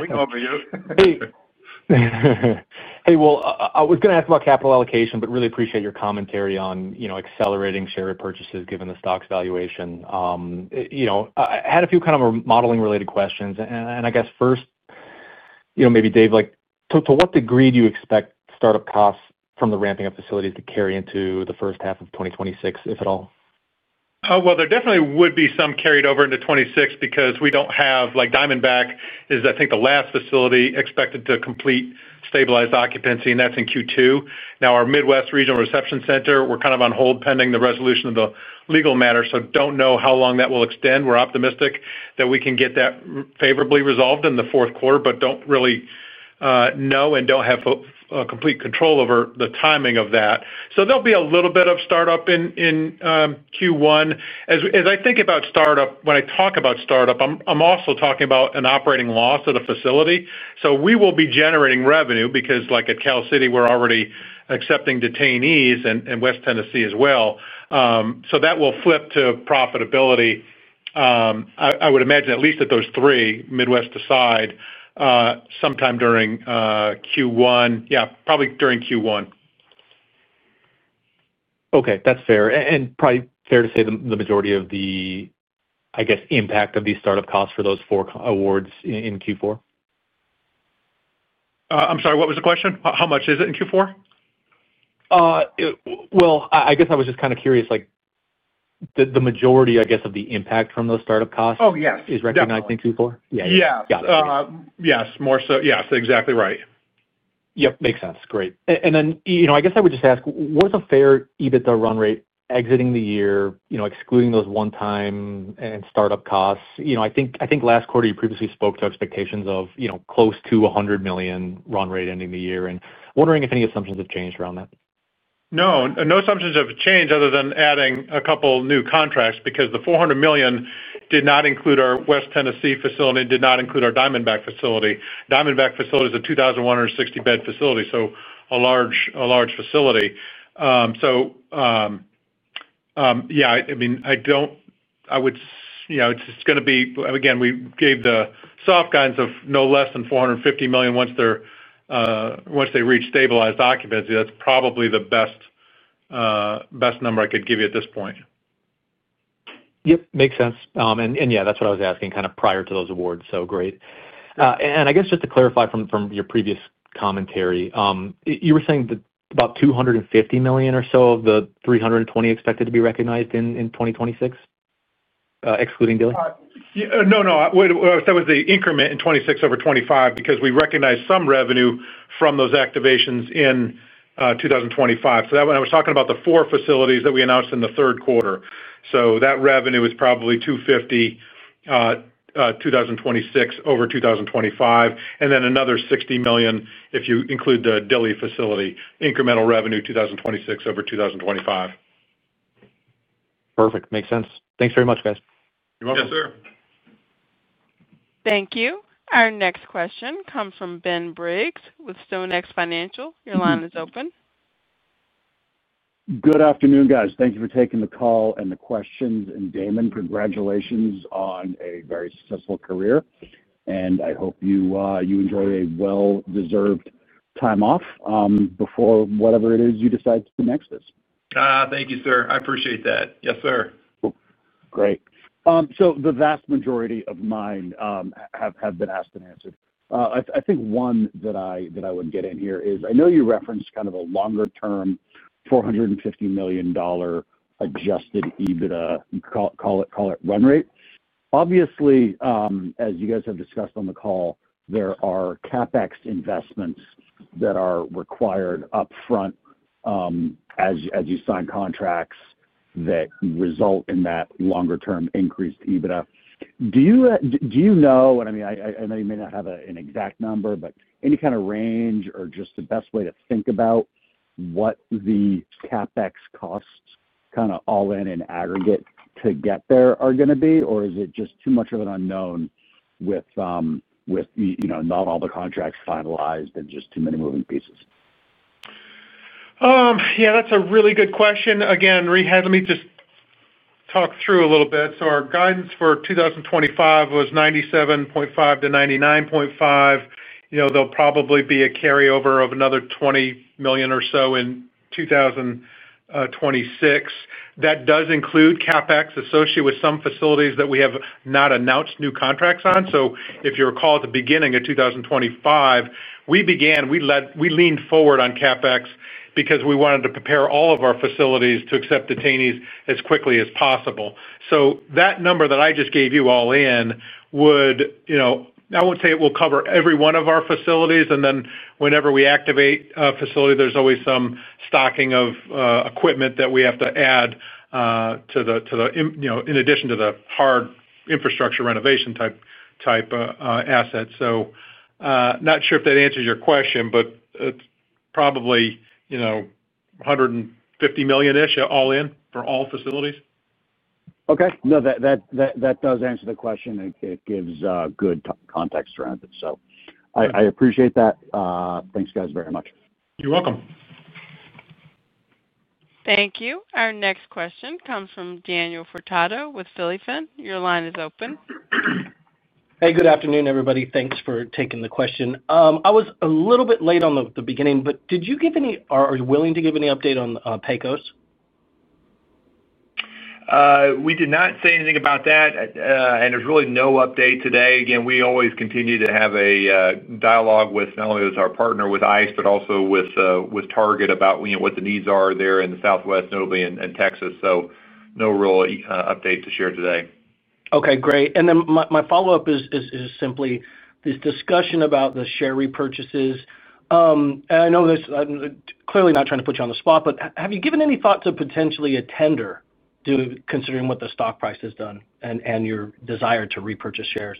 S3: We know about you.
S10: Hey. Hey, I was going to ask about capital allocation, but really appreciate your commentary on accelerating share purchases given the stock's valuation. I had a few kind of modeling-related questions. I guess first. Maybe Dave, to what degree do you expect startup costs from the ramping up facilities to carry into the first half of 2026, if at all?
S5: There definitely would be some carried over into 2026 because we do not have Diamondback is, I think, the last facility expected to complete stabilized occupancy, and that is in Q2. Now, our Midwest Regional Reception Center, we're kind of on hold pending the resolution of the legal matter, so don't know how long that will extend. We're optimistic that we can get that favorably resolved in the fourth quarter, but don't really know and don't have complete control over the timing of that. There'll be a little bit of startup in Q1. As I think about startup, when I talk about startup, I'm also talking about an operating loss of the facility. We will be generating revenue because, like at Cal City, we're already accepting detainees in West Tennessee as well. That will flip to profitability. I would imagine at least at those three, Midwest aside, sometime during Q1. Yeah, probably during Q1.
S10: Okay. That's fair. And probably fair to say the majority of the. I guess, impact of these startup costs for those four awards in Q4. I'm sorry, what was the question? How much is it in Q4? I guess I was just kind of curious. The majority, I guess, of the impact from those startup costs is recognized in Q4?
S5: Yeah. Yeah. Yes. More so. Yes. Exactly right.
S10: Yep. Makes sense. Great. I guess I would just ask, what is a fair EBITDA run rate exiting the year, excluding those one-time and startup costs? I think last quarter, you previously spoke to expectations of close to $100 million run rate ending the year. Wondering if any assumptions have changed around that.
S5: No. No assumptions have changed other than adding a couple of new contracts because the $100 million did not include our West Tennessee facility, did not include our Diamondback facility. Diamondback facility is a 2,160-bed facility, so a large facility. Yeah, I mean, I don't, I would. It's going to be, again, we gave the soft guidance of no less than $450 million once they reach stabilized occupancy. That's probably the best number I could give you at this point.
S10: Yep. Makes sense. Yeah, that's what I was asking kind of prior to those awards. Great. I guess just to clarify from your previous commentary, you were saying that about $250 million or so of the $320 million expected to be recognized in 2026, excluding Dilley?
S5: No, no. That was the increment in 2026 over 2025 because we recognize some revenue from those activations in 2025. I was talking about the four facilities that we announced in the third quarter. That revenue is probably $250 million, 2026 over 2025. And then another $60 million if you include the Dilley facility, incremental revenue 2026 over 2025. Perfect. Makes sense.
S10: Thanks very much, guys.
S5: You're welcome.
S3: Yes, sir.
S1: Thank you. Our next question comes from Ben Briggs with StoneX Financial. Your line is open.
S11: Good afternoon, guys. Thank you for taking the call and the questions. And Damon, congratulations on a very successful career. And I hope you enjoy a well-deserved time off before whatever it is you decide to do next is.
S3: Thank you, sir. I appreciate that. Yes, sir.
S11: Great. The vast majority of mine have been asked and answered. I think one that I would get in here is I know you referenced kind of a longer-term $450 million. Adjusted EBITDA, call it run rate. Obviously, as you guys have discussed on the call, there are CapEx investments that are required upfront. As you sign contracts that result in that longer-term increased EBITDA. Do you know, and I mean, I know you may not have an exact number, but any kind of range or just the best way to think about what the CapEx costs kind of all in an aggregate to get there are going to be, or is it just too much of an unknown with not all the contracts finalized and just too many moving pieces?
S5: Yeah, that's a really good question. Again, let me just talk through a little bit. Our guidance for 2025 was $97.5 million-$99.5 million. There will probably be a carryover of another $20 million or so in 2026. That does include CapEx associated with some facilities that we have not announced new contracts on. If you recall at the beginning of 2025, we began, we leaned forward on CapEx because we wanted to prepare all of our facilities to accept detainees as quickly as possible. That number that I just gave you all in would, I will not say it will cover every one of our facilities. Whenever we activate a facility, there is always some stocking of equipment that we have to add in addition to the hard infrastructure renovation type assets. Not sure if that answers your question, but it is probably $150 million-ish all in for all facilities.
S11: Okay. No, that does answer the question. It gives good context around it. I appreciate that. Thanks, guys, very much.
S3: You are welcome.
S1: Thank you. Our next question comes from Daniel Furtado with Phillyfin. Your line is open.
S12: Hey, good afternoon, everybody. Thanks for taking the question. I was a little bit late on the beginning, but did you give any or are you willing to give any update on PECOS?
S3: We did not say anything about that. There is really no update today. Again, we always continue to have a dialogue with not only our partner with ICE, but also with Target about what the needs are there in the Southwest, nobody in Texas. No real update to share today.
S12: Okay. Great. My follow-up is simply this discussion about the share repurchases. I know this is clearly not trying to put you on the spot, but have you given any thought to potentially a tender considering what the stock price has done and your desire to repurchase shares?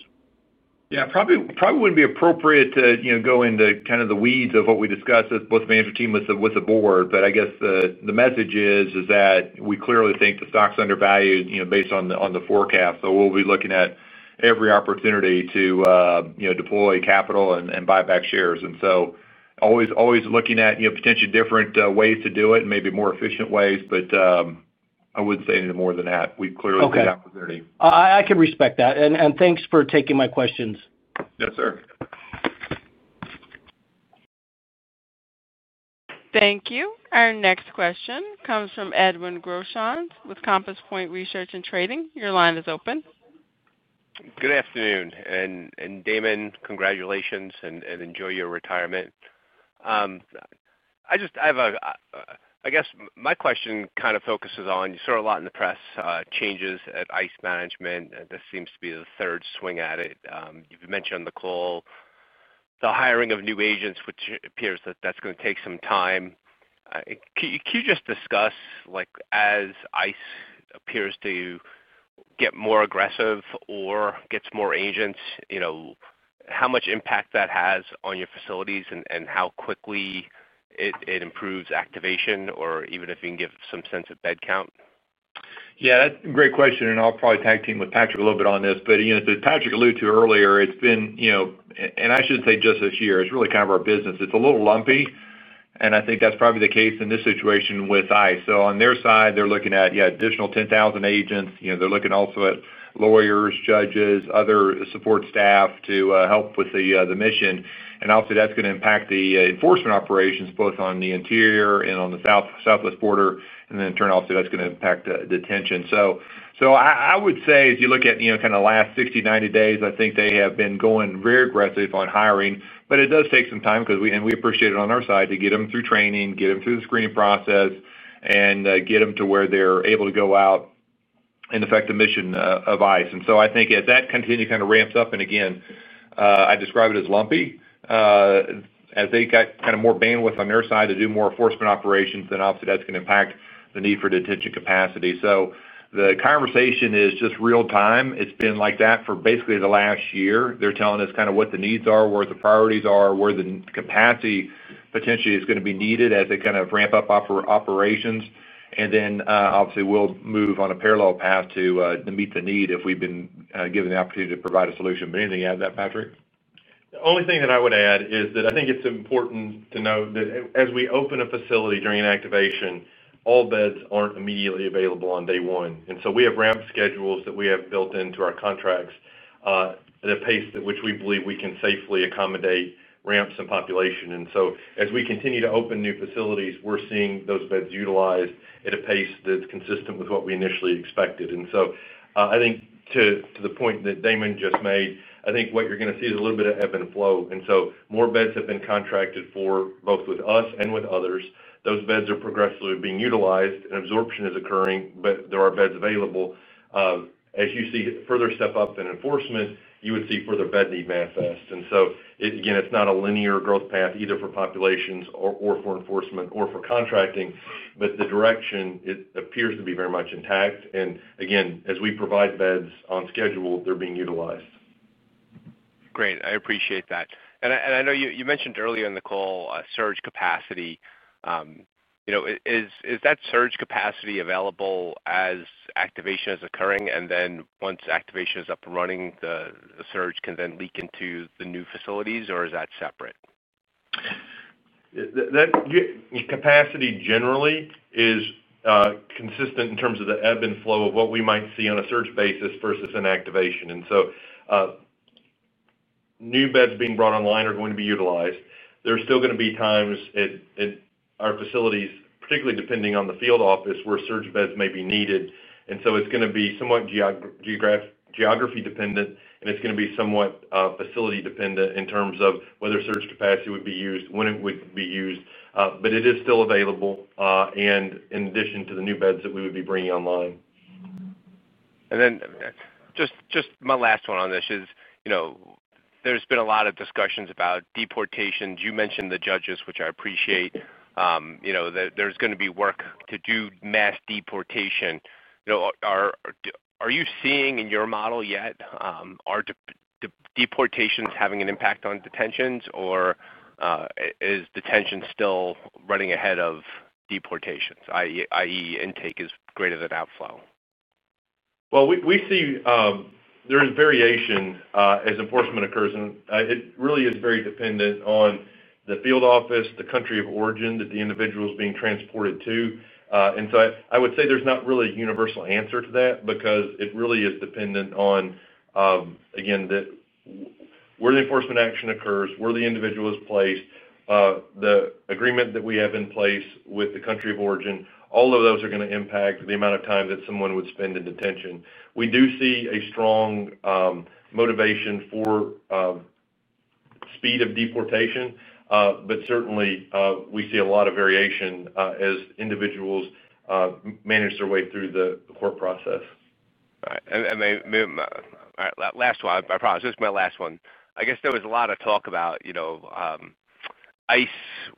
S3: Yeah. Probably would not be appropriate to go into kind of the weeds of what we discussed with both the management team and the board. I guess the message is that we clearly think the stock's undervalued based on the forecast. We'll be looking at every opportunity to deploy capital and buy back shares. Always looking at potentially different ways to do it and maybe more efficient ways. I wouldn't say anything more than that. We clearly see the opportunity.
S12: Okay. I can respect that. Thanks for taking my questions.
S3: Yes, sir.
S1: Thank you. Our next question comes from Edwin Groshond with Compass Point Research and Trading. Your line is open.
S13: Good afternoon. Damon, congratulations and enjoy your retirement. I guess my question kind of focuses on you saw a lot in the press. Changes at ICE management. This seems to be the third swing at it. You've mentioned the call. The hiring of new agents, which appears that that's going to take some time. Can you just discuss, as ICE appears to get more aggressive or gets more agents, how much impact that has on your facilities and how quickly it improves activation or even if you can give some sense of bed count?
S3: Yeah, that's a great question. And I'll probably tag team with Patrick a little bit on this. As Patrick alluded to earlier, it's been, and I shouldn't say just this year, it's really kind of our business. It's a little lumpy, and I think that's probably the case in this situation with ICE. On their side, they're looking at, yeah, additional 10,000 agents. They're looking also at lawyers, judges, other support staff to help with the mission. Obviously, that's going to impact the enforcement operations both on the interior and on the Southwest border. In turn, obviously, that's going to impact detention. I would say, as you look at kind of the last 60, 90 days, I think they have been going very aggressive on hiring. It does take some time because we appreciate it on our side to get them through training, get them through the screening process, and get them to where they're able to go out and affect the mission of ICE. I think as that continues to kind of ramp up, and again, I describe it as lumpy. As they got kind of more bandwidth on their side to do more enforcement operations, then obviously, that's going to impact the need for detention capacity. The conversation is just real time. It's been like that for basically the last year. They're telling us kind of what the needs are, where the priorities are, where the capacity potentially is going to be needed as they kind of ramp up operations. Obviously, we'll move on a parallel path to meet the need if we've been given the opportunity to provide a solution. Anything to add to that, Patrick?
S4: The only thing that I would add is that I think it's important to note that as we open a facility during activation, all beds aren't immediately available on day one. We have ramp schedules that we have built into our contracts at a pace at which we believe we can safely accommodate ramps and population. As we continue to open new facilities, we're seeing those beds utilized at a pace that's consistent with what we initially expected. I think to the point that Damon just made, I think what you're going to see is a little bit of ebb and flow. More beds have been contracted for both with us and with others. Those beds are progressively being utilized. Absorption is occurring, but there are beds available. As you see further step up in enforcement, you would see further bed need manifest. It is not a linear growth path either for populations or for enforcement or for contracting, but the direction appears to be very much intact. As we provide beds on schedule, they're being utilized.
S13: Great. I appreciate that. I know you mentioned earlier in the call surge capacity. Is that surge capacity available as activation is occurring, and then once activation is up and running, the surge can then leak into the new facilities, or is that separate?
S3: Capacity generally is consistent in terms of the ebb and flow of what we might see on a surge basis versus an activation. New beds being brought online are going to be utilized. There are still going to be times at our facilities, particularly depending on the field office, where surge beds may be needed. It is going to be somewhat geography-dependent, and it is going to be somewhat facility-dependent in terms of whether surge capacity would be used, when it would be used. It is still available, in addition to the new beds that we would be bringing online.
S13: Just my last one on this is, there has been a lot of discussions about deportations. You mentioned the judges, which I appreciate. There's going to be work to do mass deportation. Are you seeing in your model yet? Are deportations having an impact on detentions, or is detention still running ahead of deportations, i.e., intake is greater than outflow?
S3: There is variation as enforcement occurs. It really is very dependent on the field office, the country of origin that the individual is being transported to. I would say there's not really a universal answer to that because it really is dependent on where the enforcement action occurs, where the individual is placed. The agreement that we have in place with the country of origin, all of those are going to impact the amount of time that someone would spend in detention. We do see a strong motivation for. Speed of deportation, but certainly, we see a lot of variation as individuals manage their way through the court process.
S13: All right. My apologies. This is my last one. I guess there was a lot of talk about ICE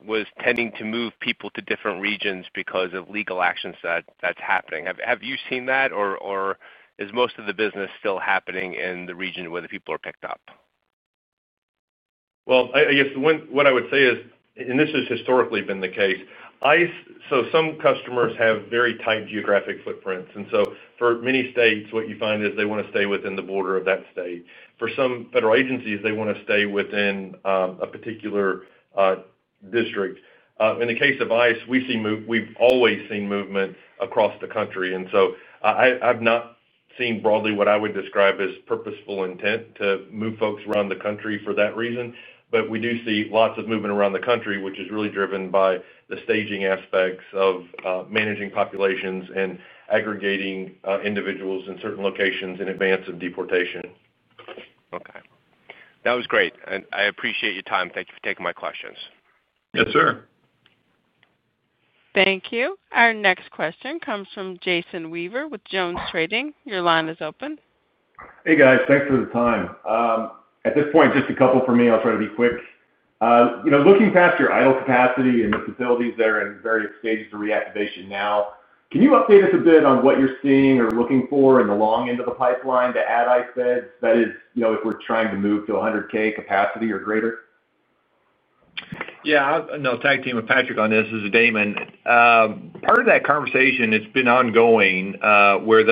S13: was tending to move people to different regions because of legal actions that's happening. Have you seen that, or is most of the business still happening in the region where the people are picked up?
S3: I guess what I would say is, and this has historically been the case. Some customers have very tight geographic footprints. For many states, what you find is they want to stay within the border of that state. For some federal agencies, they want to stay within a particular district. In the case of ICE, we've always seen movement across the country. I've not seen broadly what I would describe as purposeful intent to move folks around the country for that reason. We do see lots of movement around the country, which is really driven by the staging aspects of managing populations and aggregating individuals in certain locations in advance of deportation.
S13: Okay. That was great. I appreciate your time. Thank you for taking my questions.
S3: Yes, sir.
S1: Thank you. Our next question comes from Jason Weaver with Jones Trading. Your line is open.
S14: Hey, guys. Thanks for the time. At this point, just a couple for me. I'll try to be quick. Looking past your idle capacity and the facilities that are in various stages of reactivation now, can you update us a bit on what you're seeing or looking for in the long end of the pipeline to add ICE beds?
S3: That is, if we're trying to move to 100K capacity or greater. Yeah. I'll tag team with Patrick on this. This is Damon. Part of that conversation has been ongoing where ICE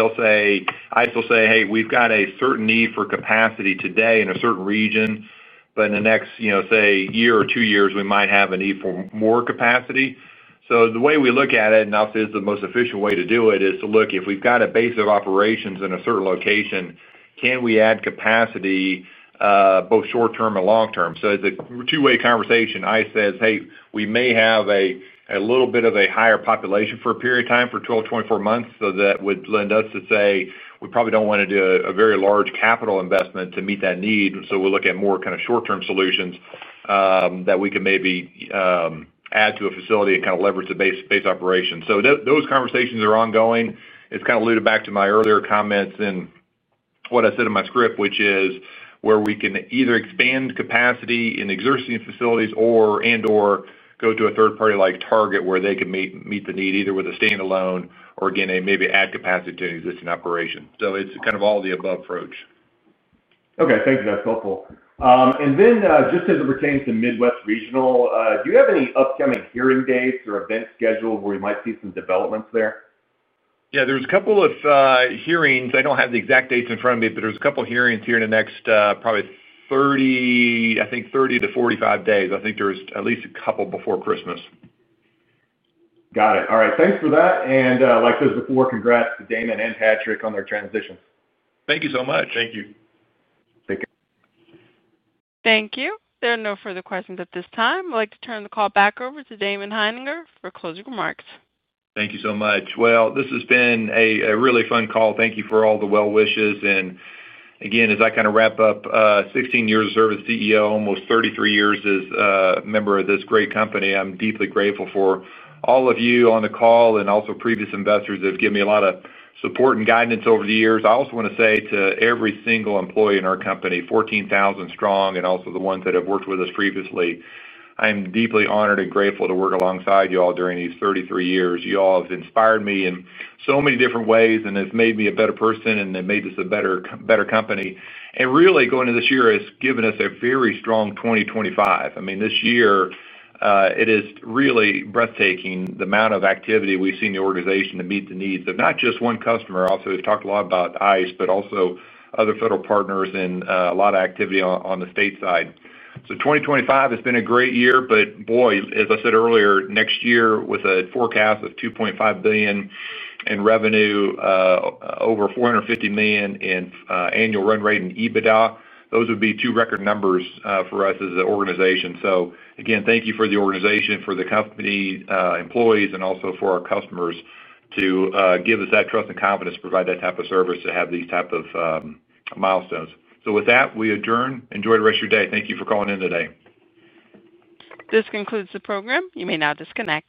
S3: will say, "Hey, we've got a certain need for capacity today in a certain region, but in the next, say, year or two years, we might have a need for more capacity." The way we look at it, and obviously, it's the most efficient way to do it, is to look if we've got a base of operations in a certain location, can we add capacity. Both short-term and long-term? It is a two-way conversation. ICE says, "Hey, we may have a little bit of a higher population for a period of time for 12, 24 months." That would lend us to say we probably do not want to do a very large capital investment to meet that need. We will look at more kind of short-term solutions that we can maybe add to a facility and kind of leverage the base operations. Those conversations are ongoing. It is kind of alluded back to my earlier comments in what I said in my script, which is where we can either expand capacity in existing facilities and/or go to a third party like Target where they can meet the need either with a standalone or, again, maybe add capacity to an existing operation. It is kind of all the above approach.
S14: Okay. Thank you. That is helpful. Just as it pertains to Midwest Regional, do you have any upcoming hearing dates or events scheduled where we might see some developments there?
S3: Yeah. There are a couple of hearings. I do not have the exact dates in front of me, but there are a couple of hearings here in the next probably, I think, 30-45 days. I think there are at least a couple before Christmas.
S14: Got it. All right. Thanks for that. Like I said before, congrats to Damon and Patrick on their transition.
S3: Thank you so much.
S4: Thank you. Take care.
S1: Thank you. There are no further questions at this time. I would like to turn the call back over to Damon Hininger for closing remarks.
S3: Thank you so much. This has been a really fun call. Thank you for all the well wishes. As I kind of wrap up, 16 years of service as CEO, almost 33 years as a member of this great company. I'm deeply grateful for all of you on the call and also previous investors that have given me a lot of support and guidance over the years. I also want to say to every single employee in our company, 14,000 strong, and also the ones that have worked with us previously, I am deeply honored and grateful to work alongside you all during these 33 years. You all have inspired me in so many different ways and have made me a better person and have made this a better company. Really, going into this year, it's given us a very strong 2025. I mean, this year, it is really breathtaking, the amount of activity we've seen the organization to meet the needs of not just one customer. Also, we've talked a lot about ICE, but also other federal partners and a lot of activity on the state side. 2025 has been a great year, but boy, as I said earlier, next year with a forecast of $2.5 billion in revenue, over $450 million in annual run rate in EBITDA, those would be two record numbers for us as an organization. Again, thank you for the organization, for the company employees, and also for our customers to give us that trust and confidence to provide that type of service to have these types of milestones. With that, we adjourn. Enjoy the rest of your day. Thank you for calling in today.
S1: This concludes the program. You may now disconnect.